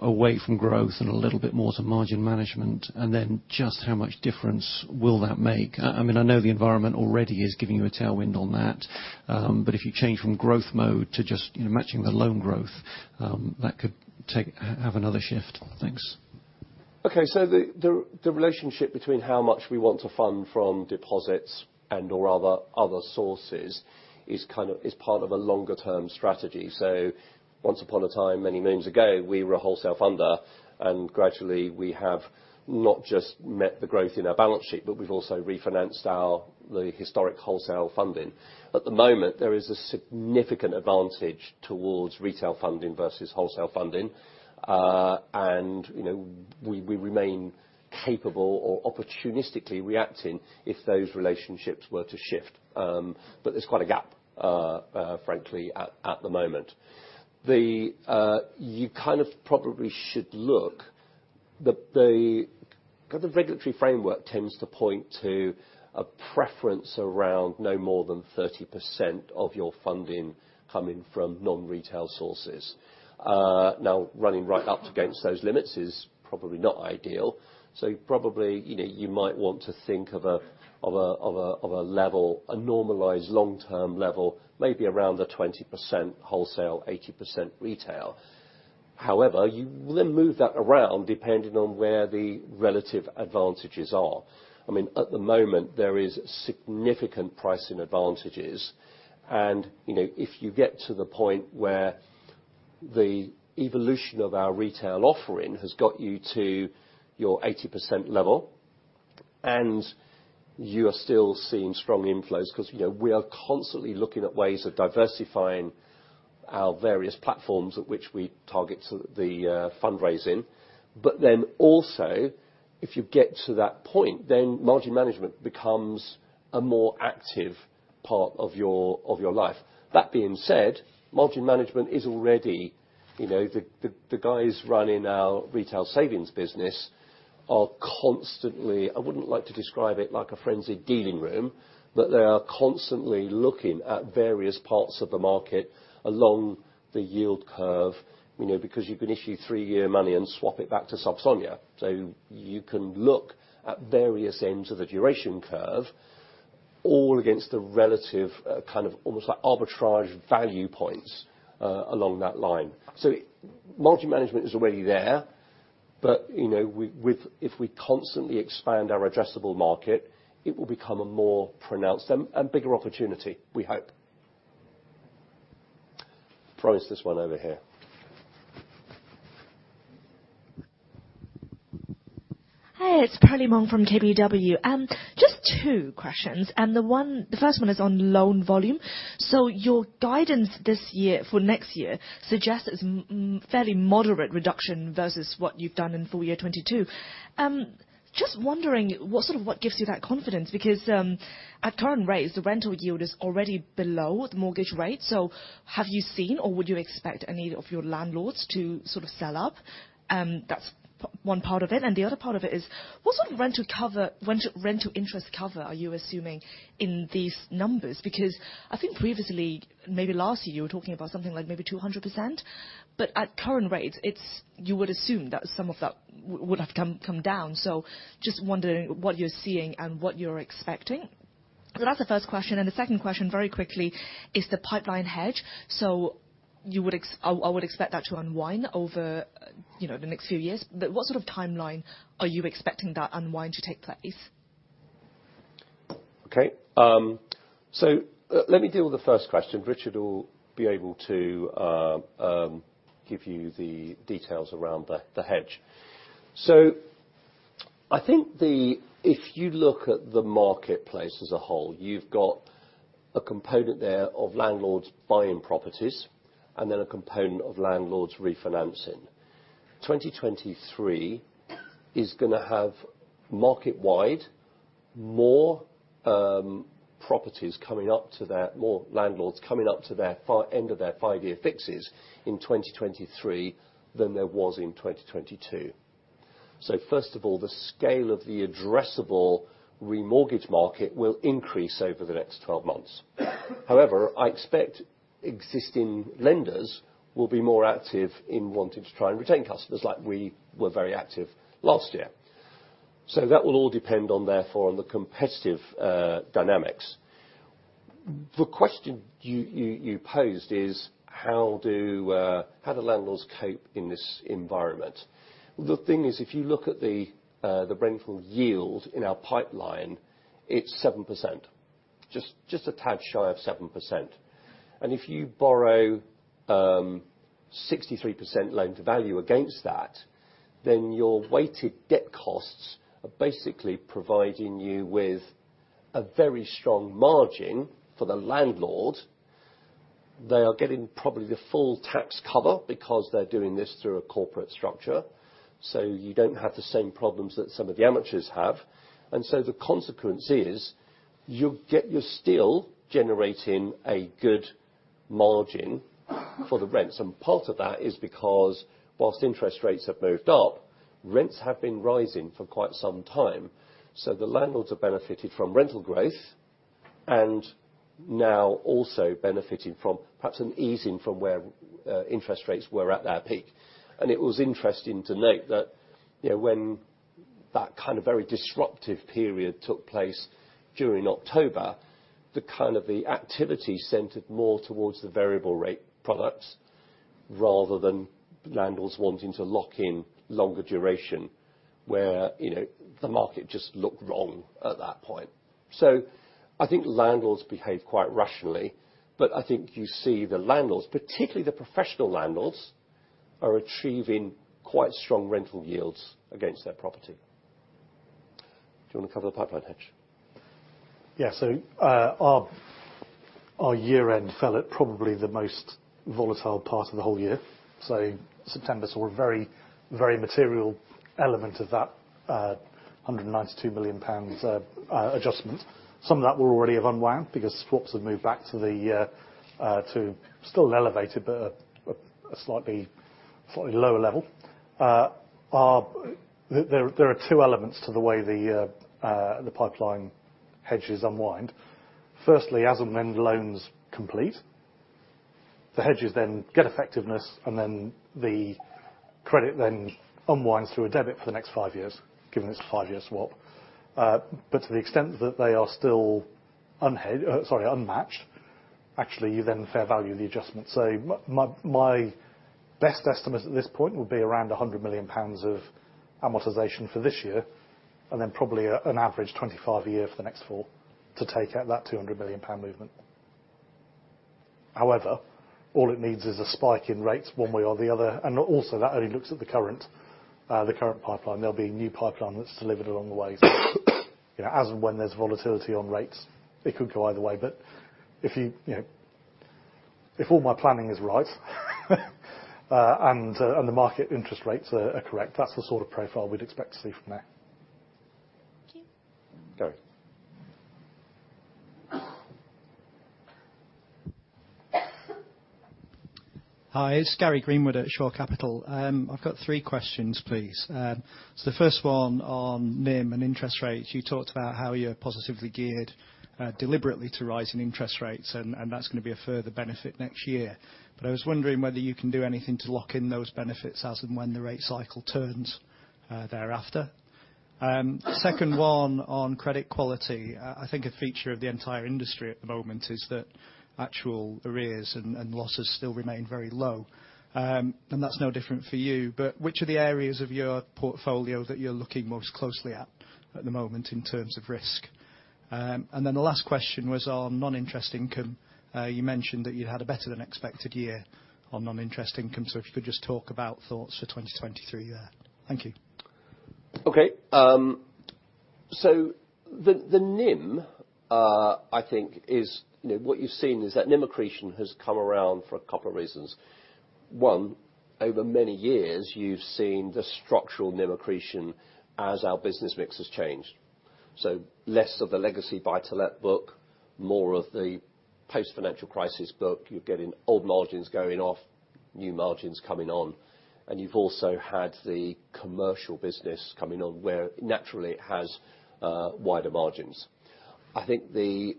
away from growth and a little bit more to margin management? Just how much difference will that make? I mean, I know the environment already is giving you a tailwind on that, if you change from growth mode to just, you know, matching the loan growth, that could have another shift. Thanks. The relationship between how much we want to fund from deposits and/or other sources is part of a longer term strategy. Once upon a time, many moons ago, we were a wholesale funder, and gradually we have not just met the growth in our balance sheet, but we've also refinanced the historic wholesale funding. At the moment, there is a significant advantage towards retail funding versus wholesale funding. You know, we remain capable or opportunistically reacting if those relationships were to shift. There's quite a gap, frankly, at the moment. The regulatory framework tends to point to a preference around no more than 30% of your funding coming from non-retail sources. Now running right up against those limits is probably not ideal. Probably, you might want to think of a level, a normalized long-term level, maybe around the 20% wholesale, 80% retail. However, you will then move that around depending on where the relative advantages are. I mean, at the moment, there is significant pricing advantages. You know, if you get to the point where the evolution of our retail offering has got you to your 80% level, and you are still seeing strong inflows, 'cause we are constantly looking at ways of diversifying our various platforms at which we target the fundraising. Also, if you get to that point, then margin management becomes a more active part of your life. That being said, margin management is already, you know, the guys running our retail savings business, I wouldn't like to describe it like a frenzied dealing room, but they are constantly looking at various parts of the market along the yield curve, you know, because you can issue 3-year money and swap it back to sub-SONIA. You can look at various ends of the duration curve, all against the relative kind of almost like arbitrage value points along that line. Margin management is already there, but, you know, if we constantly expand our addressable market, it will become a more pronounced and bigger opportunity, we hope. Promise this one over here. Hi, it's Perlie Mong from KBW. Just two questions. The first one is on loan volume. Your guidance this year, for next year suggests it's fairly moderate reduction versus what you've done in full year 2022. Just wondering what, sort of what gives you that confidence, because at current rates, the rental yield is already below the mortgage rate. Have you seen or would you expect any of your landlords to sort of sell up? That's one part of it. The other part of it is, what sort of rental interest cover are you assuming in these numbers? I think previously, maybe last year, you were talking about something like maybe 200%. At current rates, you would assume that some of that would have come down. Just wondering what you're seeing and what you're expecting. That's the first question, and the second question, very quickly, is the pipeline hedge. I would expect that to unwind over, you know, the next few years. What sort of timeline are you expecting that unwind to take place? Okay. Let me deal with the first question. Richard will be able to give you the details around the hedge. I think if you look at the marketplace as a whole, you've got a component there of landlords buying properties and then a component of landlords refinancing. 2023 is gonna have market-wide more properties coming up to their more landlords coming up to their end of their 5-year fixes in 2023 than there was in 2022. First of all, the scale of the addressable remortgage market will increase over the next 12 months. However, I expect existing lenders will be more active in wanting to try and retain customers, like we were very active last year. That will all depend on, therefore, on the competitive dynamics. The question you posed is how do landlords cope in this environment? The thing is, if you look at the rental yield in our pipeline, it's 7%, just a tad shy of 7%. If you borrow 63% loan-to-value against that, then your weighted debt costs are basically providing you with a very strong margin for the landlord. They are getting probably the full tax cover because they're doing this through a corporate structure. You don't have the same problems that some of the amateurs have. The consequence is you're still generating a good margin for the rents, and part of that is because whilst interest rates have moved up, rents have been rising for quite some time. The landlords have benefited from rental growth, and now also benefiting from perhaps an easing from where interest rates were at their peak. It was interesting to note that, you know, when that kind of very disruptive period took place during October, the activity centered more towards the variable rate products rather than landlords wanting to lock in longer duration where the market just looked wrong at that point. I think landlords behave quite rationally, but I think you see the landlords, particularly the professional landlords, are achieving quite strong rental yields against their property. Do you wanna cover the pipeline hedge? Our year-end fell at probably the most volatile part of the whole year, so September saw a very, very material element of that, 192 million pounds adjustment. Some of that will already have unwound because swaps have moved back to still an elevated, but a slightly lower level. There are two elements to the way the pipeline Hedges unwind. Firstly, as and when loans complete, the hedges then get effectiveness, and then the credit then unwinds through a debit for the next 5 years, given it's a 5-year swap. But to the extent that they are still sorry, unmatched, actually, you then fair value the adjustment. My best estimate at this point would be around 100 million pounds of amortization for this year, and then probably an average 25 a year for the next 4 to take out that 200 million pound movement. All it needs is a spike in rates one way or the other. Also, that only looks at the current pipeline. There'll be new pipeline that's delivered along the way. You know, as and when there's volatility on rates, it could go either way. If you know. If all my planning is right, and the market interest rates are correct, that's the sort of profile we'd expect to see from there. Thank you. Hi, it's Gary Greenwood at Shore Capital. I've got three questions, please. The first one on NIM and interest rates. You talked about how you're positively geared, deliberately to rising interest rates, and that's gonna be a further benefit next year. I was wondering whether you can do anything to lock in those benefits as and when the rate cycle turns thereafter. Second one on credit quality. I think a feature of the entire industry at the moment is that actual arrears and losses still remain very low. That's no different for you. Which of the areas of your portfolio that you're looking most closely at the moment in terms of risk? The last question was on non-interest income. You mentioned that you'd had a better than expected year on non-interest income. If you could just talk about thoughts for 2023 there. Thank you. Okay. The NIM, what you've seen is that NIM accretion has come around for two reasons. One, over many years, you've seen the structural NIM accretion as our business mix has changed. Less of the legacy buy-to-let book, more of the post-financial crisis book. You're getting old margins going off, new margins coming on, and you've also had the commercial business coming on, where naturally it has wider margins. I think the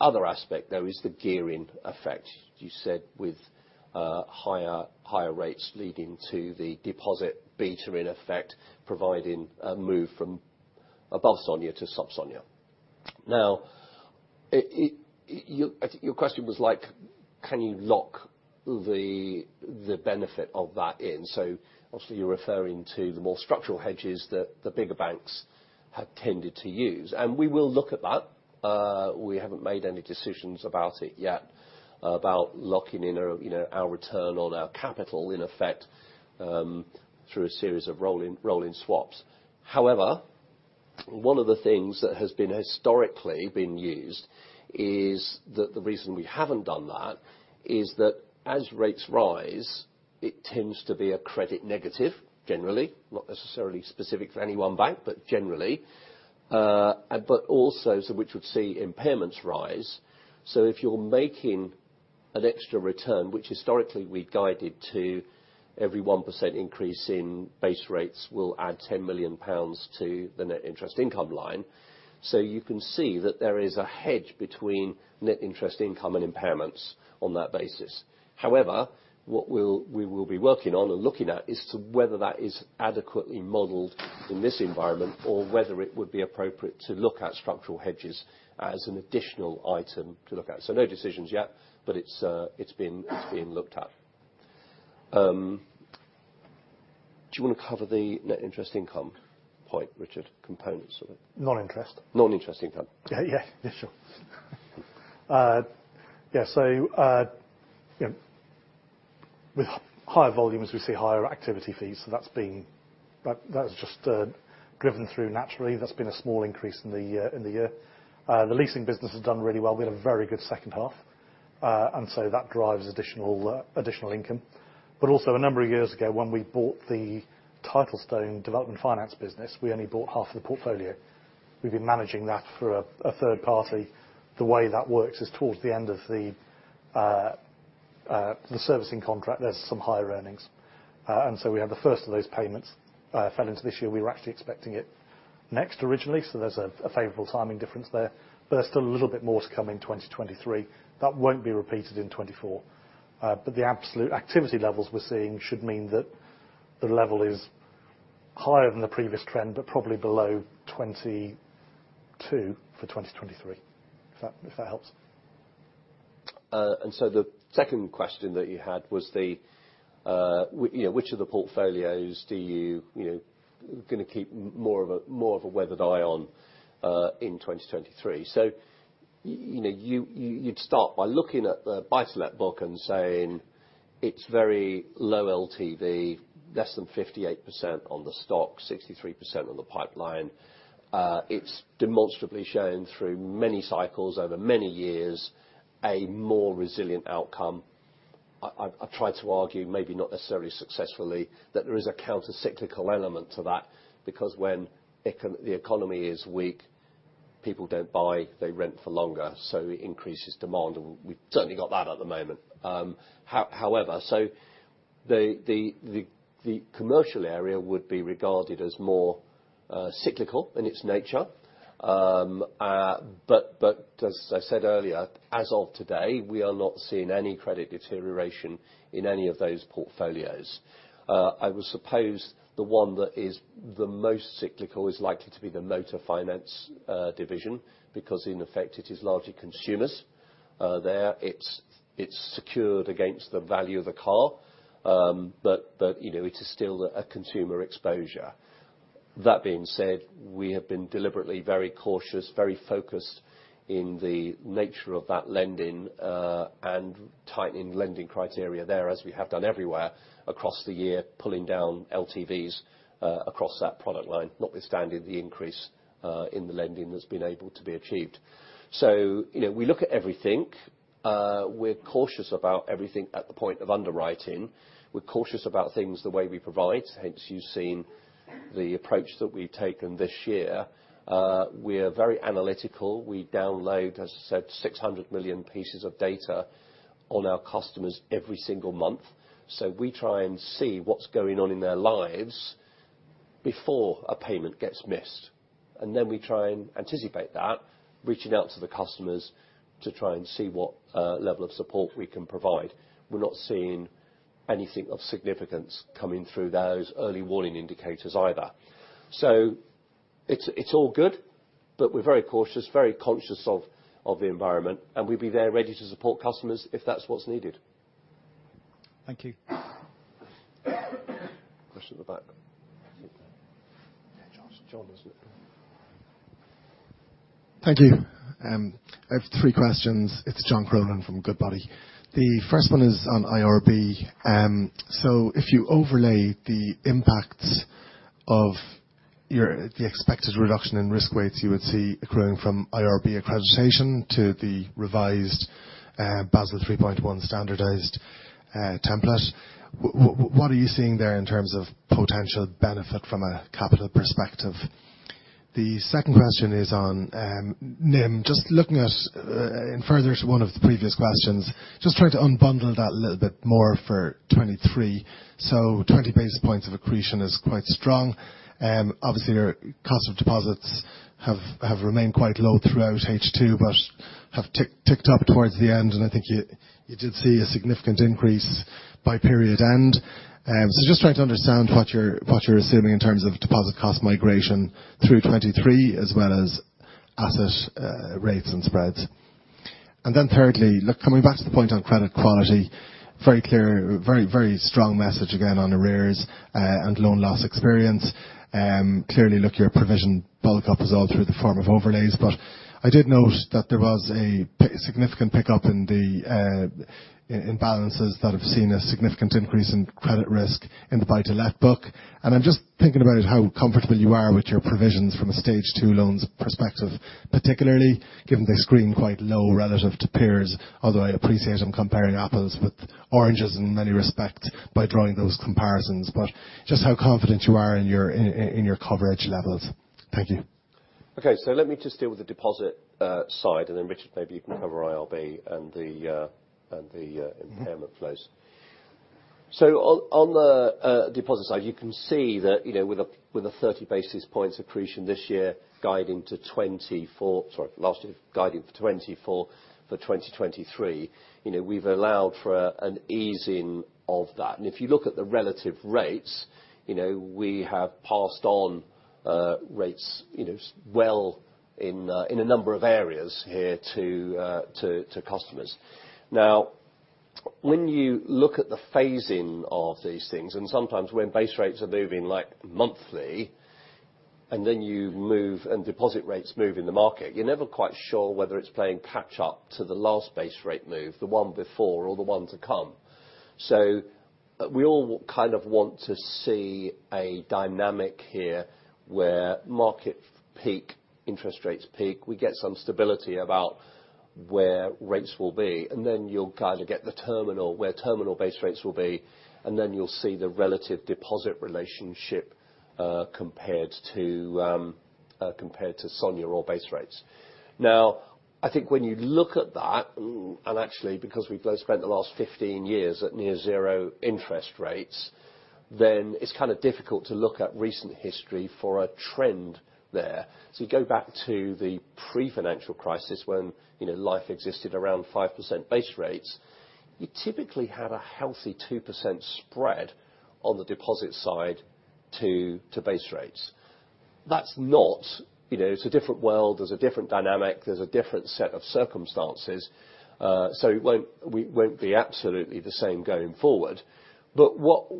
other aspect, though, is the gearing effect. You said with higher rates leading to the deposit beta, in effect, providing a move from above SONIA to sub-SONIA. It, I think your question was, like, can you lock the benefit of that in? Obviously, you're referring to the more structural hedges that the bigger banks have tended to use. We will look at that. We haven't made any decisions about it yet, about locking in our, you know, our return on our capital, in effect, through a series of rolling swaps. One of the things that has been historically been used is that the reason we haven't done that is that as rates rise, it tends to be a credit negative, generally, not necessarily specific for any one bank, but generally. Which would see impairments rise. If you're making an extra return, which historically we'd guided to every 1% increase in base rates will add 10 million pounds to the net interest income line. You can see that there is a hedge between net interest income and impairments on that basis. What we will be working on and looking at is to whether that is adequately modeled in this environment or whether it would be appropriate to look at structural hedges as an additional item to look at. No decisions yet, but it's being looked at. Do you want to cover the net interest income point, Richard? Components of it. Sure. With higher volume as we see higher activity fees, that's just driven through naturally. That's been a small increase in the year. The leasing business has done really well. We had a very good second half, so that drives additional income. Also, a number of years ago, when we bought the Titlestone Development Finance business, we only bought half of the portfolio. We've been managing that for a third party. The way that works is towards the end of the servicing contract, there's some higher earnings. So we have the first of those payments fell into this year. We were actually expecting it next originally, so there's a favorable timing difference there. There's still a little bit more to come in 2023. That won't be repeated in 2024. The absolute activity levels we're seeing should mean that the level is higher than the previous trend, but probably below 2022 for 2023, if that helps. The second question that you had which of the portfolios do you know, gonna keep more of a weathered eye on in 2023. You know, you'd start by looking at the buy-to-let book and saying it's very low LTV, less than 58% on the stock, 63% on the pipeline. It's demonstrably shown through many cycles over many years, a more resilient outcome. I've tried to argue, maybe not necessarily successfully, that there is a counter-cyclical element to that, because when the economy is weak, people don't buy, they rent for longer, so it increases demand, and we've certainly got that at the moment. However, the commercial area would be regarded as more cyclical in its nature. As I said earlier, as of today, we are not seeing any credit deterioration in any of those portfolios. I would suppose the one that is the most cyclical is likely to be the motor finance division, because in effect, it is largely consumers there. It's secured against the value of the car. You know, it is still a consumer exposure. That being said, we have been deliberately very cautious, very focused in the nature of that lending, and tightening lending criteria there as we have done everywhere across the year, pulling down LTVs across that product line, notwithstanding the increase in the lending that's been able to be achieved. You know, we look at everything. We're cautious about everything at the point of underwriting. We're cautious about things, the way we provide, hence you've seen the approach that we've taken this year. We are very analytical. We download, as I said, 600 million pieces of data on our customers every single month. We try and see what's going on in their lives before a payment gets missed. We try and anticipate that, reaching out to the customers to try and see what level of support we can provide. We're not seeing anything of significance coming through those early warning indicators either. It's all good, but we're very cautious, very conscious of the environment, and we'll be there ready to support customers if that's what's needed. Thank you. Thank you. I have 3 questions. It's John Cronin from Goodbody. The first one is on IRB. If you overlay the impact of the expected reduction in risk weights you would see accruing from IRB accreditation to the revised Basel 3.1 standardized template, what are you seeing there in terms of potential benefit from a capital perspective? The second question is on NIM. Just looking at in further to one of the previous questions, just trying to unbundle that a little bit more for 23. 20 basis points of accretion is quite strong. Obviously your cost of deposits have remained quite low throughout H2, but have ticked up towards the end, and I think you did see a significant increase by period end. Just trying to understand what you're, what you're assuming in terms of deposit cost migration through 23 as well as asset rates and spreads. Thirdly, look, coming back to the point on credit quality, very clear, very, very strong message again on arrears and loan loss experience. Clearly, look, your provision bulk up is all through the form of overlays, but I did note that there was a significant pickup in the, in balances that have seen a Significant Increase in Credit Risk in the Buy to Let book. I'm just thinking about how comfortable you are with your provisions from a Stage 2 loans perspective, particularly given they screen quite low relative to peers, although I appreciate I'm comparing apples with oranges in many respects by drawing those comparisons. Just how confident you are in your coverage levels. Thank you. Okay. Let me just deal with the deposit side, Richard, maybe you can cover IRB and the impairment flows. On the deposit side, you can see that, you know, with a 30 basis points accretion this year, last year, guiding for 24 for 2023, you know, we've allowed for an easing of that. If you look at the relative rates, you know, we have passed on rates, you know, well in a number of areas here to customers. When you look at the phasing of these things, and sometimes when base rates are moving like monthly, and then you move and deposit rates move in the market, you're never quite sure whether it's playing catch up to the last base rate move, the one before or the one to come. We all kind of want to see a dynamic here where market peak, interest rates peak, we get some stability about where rates will be, and then you'll kind of get the terminal, where terminal base rates will be, and then you'll see the relative deposit relationship, compared to, compared to SONIA or base rates. I think when you look at that, and actually because we've both spent the last 15 years at near zero interest rates, then it's kind of difficult to look at recent history for a trend there. You go back to the pre-financial crisis when, you know, life existed around 5% base rates. You typically have a healthy 2% spread on the deposit side to base rates. That's not, you know, it's a different world. There's a different dynamic. There's a different set of circumstances, so we won't be absolutely the same going forward. What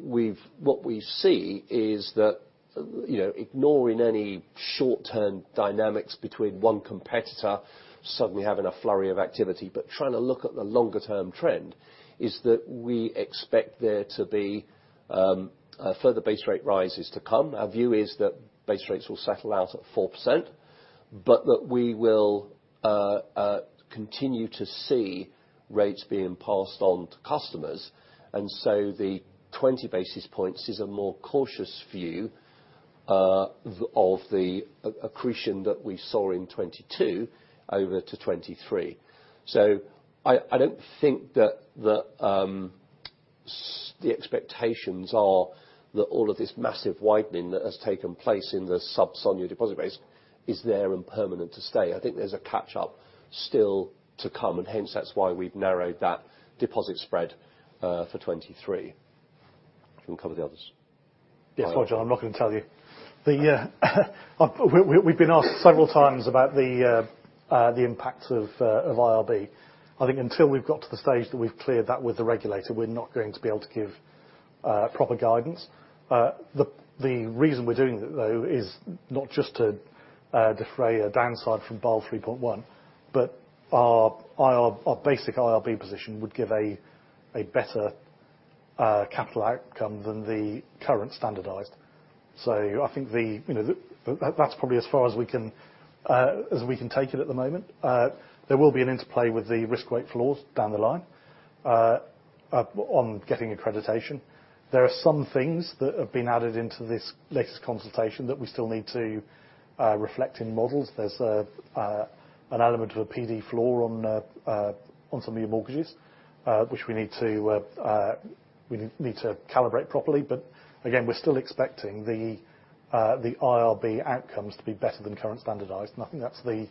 we see is that, you know, ignoring any short-term dynamics between one competitor suddenly having a flurry of activity, but trying to look at the longer term trend, is that we expect there to be further base rate rises to come. Our view is that base rates will settle out at 4%, that we will continue to see rates being passed on to customers. The 20 basis points is a more cautious view of the accretion that we saw in 2022 over to 2023. I don't think that the expectations are that all of this massive widening that has taken place in the sub SONIA deposit base is there and permanent to stay. I think there's a catch up still to come, hence, that's why we've narrowed that deposit spread for 2023. You can cover the others. Yes. Well, John, I'm not gonna tell you. We've been asked several times about the impact of IRB. I think until we've got to the stage that we've cleared that with the regulator, we're not going to be able to give proper guidance. The reason we're doing it, though, is not just to defray a downside from Basel 3.1, but our basic IRB position would give a better capital outcome than the current standardized. That's probably as far as we can take it at the moment. There will be an interplay with the risk weight floors down the line on getting accreditation. There are some things that have been added into this latest consultation that we still need to reflect in models. There's an element of a PD floor on some of your mortgages, which we need to calibrate properly. But again, we're still expecting the IRB outcomes to be better than current standardized. I think that's the.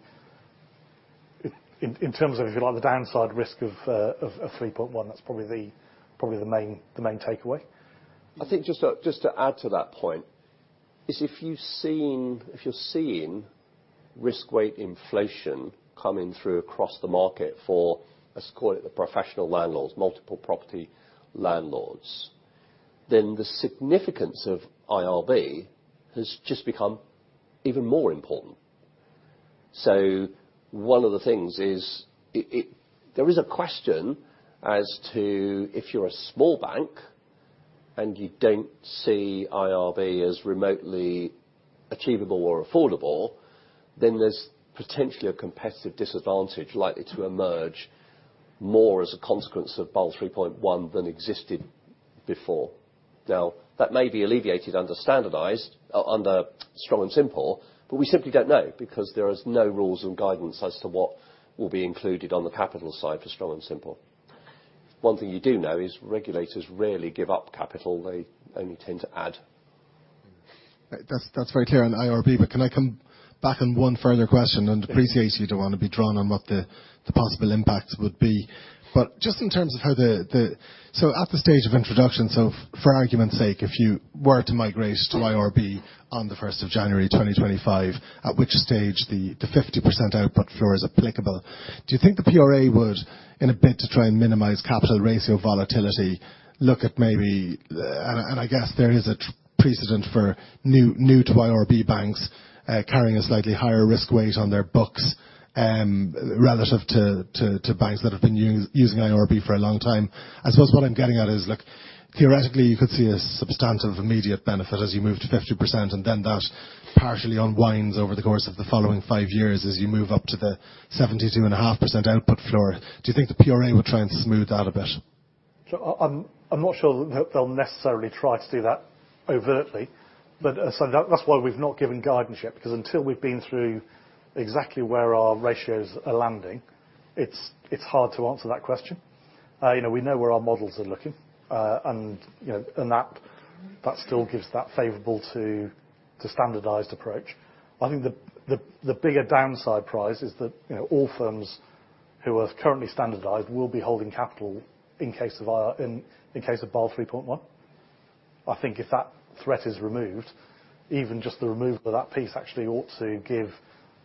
In terms of, if you like, the downside risk of 3.1, that's probably the main takeaway. I think just to add to that point is if you're seeing risk weight inflation coming through across the market for, let's call it the professional landlords, multiple property landlords, then the significance of IRB has just become even more important. One of the things is there is a question as to if you're a small bank and you don't see IRB as remotely achievable or affordable, then there's potentially a competitive disadvantage likely to emerge more as a consequence of Basel 3.1 than existed before. Now, that may be alleviated under standardized, under Strong and Simple, but we simply don't know because there is no rules and guidance as to what will be included on the capital side for Strong and Simple. One thing you do know is regulators rarely give up capital. They only tend to add. That's very clear on IRB. Can I come back on one further question? Appreciate you don't want to be drawn on what the possible impacts would be. At the stage of introduction, for argument's sake, if you were to migrate to IRB on the 1st of January 2025, at which stage the 50% output floor is applicable, do you think the PRA would, in a bid to try and minimize capital ratio volatility, look at maybe? I guess there is a precedent for new to IRB banks carrying a slightly higher risk weight on their books relative to banks that have been using IRB for a long time. I suppose what I'm getting at is, look, theoretically, you could see a substantive immediate benefit as you move to 50%, and then that partially unwinds over the course of the following five years as you move up to the 72.5% output floor. Do you think the PRA would try and smooth that a bit? I'm not sure that they'll necessarily try to do that overtly, but, that's why we've not given guidance yet, because until we've been through exactly where our ratios are landing, it's hard to answer that question. You know, we know where our models are looking, and, you know, and that still gives that favorable to standardized approach. I think the bigger downside prize is that, you know, all firms who are currently standardized will be holding capital in case of Basel 3.1. I think if that threat is removed, even just the removal of that piece actually ought to give,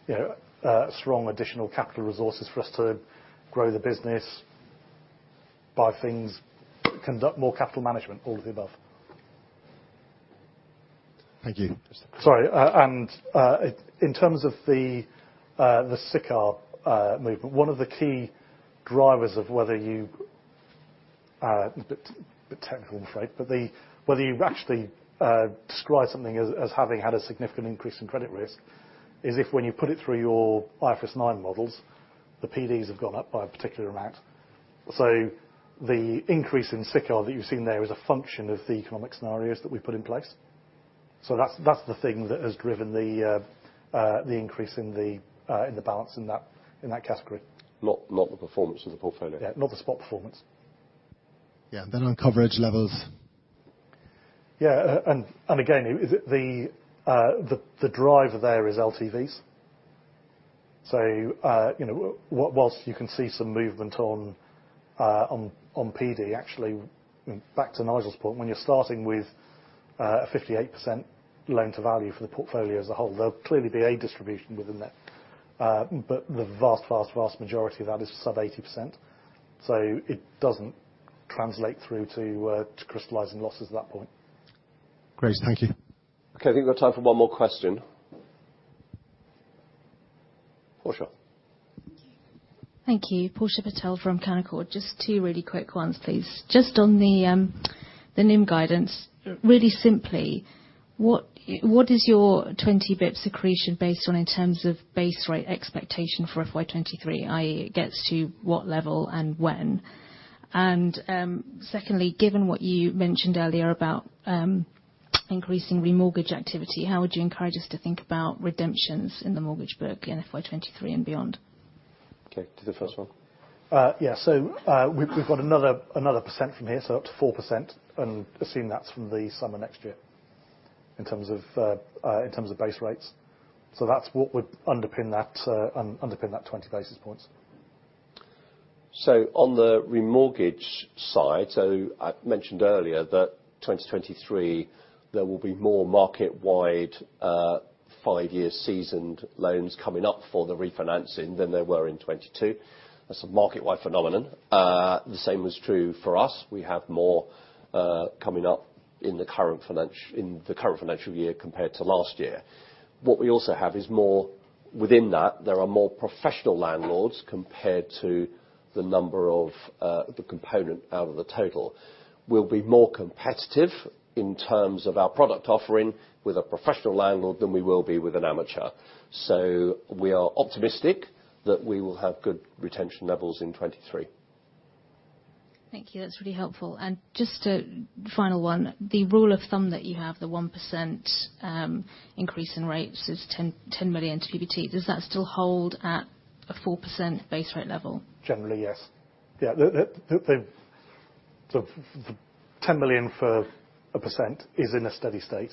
you know, strong additional capital resources for us to grow the business, buy things, conduct more capital management, all of the above. Thank you. Sorry. In terms of the SICR movement, one of the key drivers of whether you a bit technical, I'm afraid, but the whether you actually describe something as as having had a significant increase in credit risk is if when you put it through your IFRS 9 models, the PDs have gone up by a particular amount. The increase in SICR that you've seen there is a function of the economic scenarios that we've put in place. That's that's the thing that has driven the increase in the in the balance in that in that category. Not the performance of the portfolio. Not the spot performance. LOn coverage levels. And again, the drive there is LTVs. You know, whilst you can see some movement on PD, actually, back to Nigel's point, when you're starting with a 58% loan to value for the portfolio as a whole. There'll clearly be a distribution within that. But the vast, vast majority of that is sub 80%, so it doesn't translate through to crystallizing losses at that point. Great. Thank you. Okay, I think we've got time for one more question. Portia. Thank you. Portia Patel from Canaccord. Just two really quick ones, please. Just on the NIM guidance, really simply, what is your 20 basis points based on in terms of base rate expectation for FY 2023, i.e., it gets to what level and when? Secondly, given what you mentioned earlier about increasing remortgage activity, how would you encourage us to think about redemptions in the mortgage book in FY 2023 and beyond? Okay, to the first one. \We've got another percent from here, up to 4%, assuming that's from the summer next year in terms of base rates. That's what would underpin that 20 basis points. On the remortgage side, I mentioned earlier that 2023, there will be more market-wide, 5-year seasoned loans coming up for the refinancing than there were in 2022. That's a market-wide phenomenon. The same is true for us. We have more coming up in the current financial year compared to last year. What we also have is more within that, there are more professional landlords compared to the number of the component out of the total. We'll be more competitive in terms of our product offering with a professional landlord than we will be with an amateur. We are optimistic that we will have good retention levels in 2023. Thank you. That's really helpful. Just a final one, the rule of thumb that you have, the 1% increase in rates is 10 million to PBT. Does that still hold at a 4% base rate level? Generally, yes. For 10 million for 1% is in a steady state.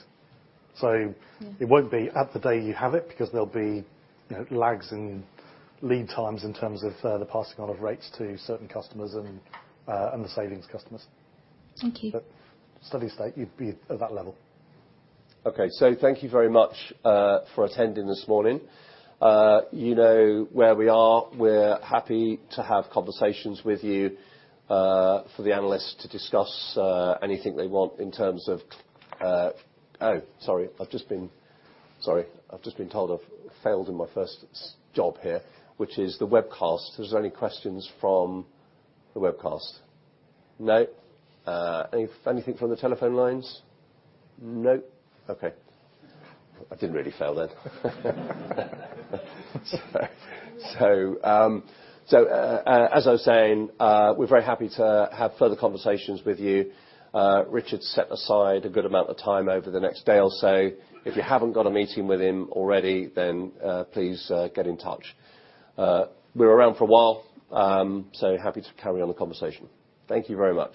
It won't be at the day you have it because there'll be, you know, lags and lead times in terms of the passing on of rates to certain customers and the savings customers. Thank you. Steady state, you'd be at that level. Okay. Thank you very much for attending this morning. You know where we are. We're happy to have conversations with you for the analysts to discuss anything they want in terms of. Oh, sorry, I've just been told I've failed in my first job here, which is the webcast. If there's any questions from the webcast? No. Anything from the telephone lines? No. Okay. I didn't really fail then. As I was saying, we're very happy to have further conversations with you. Richard set aside a good amount of time over the next day or so. If you haven't got a meeting with him already, then please get in touch. We're around for a while, so happy to carry on the conversation. Thank you very much.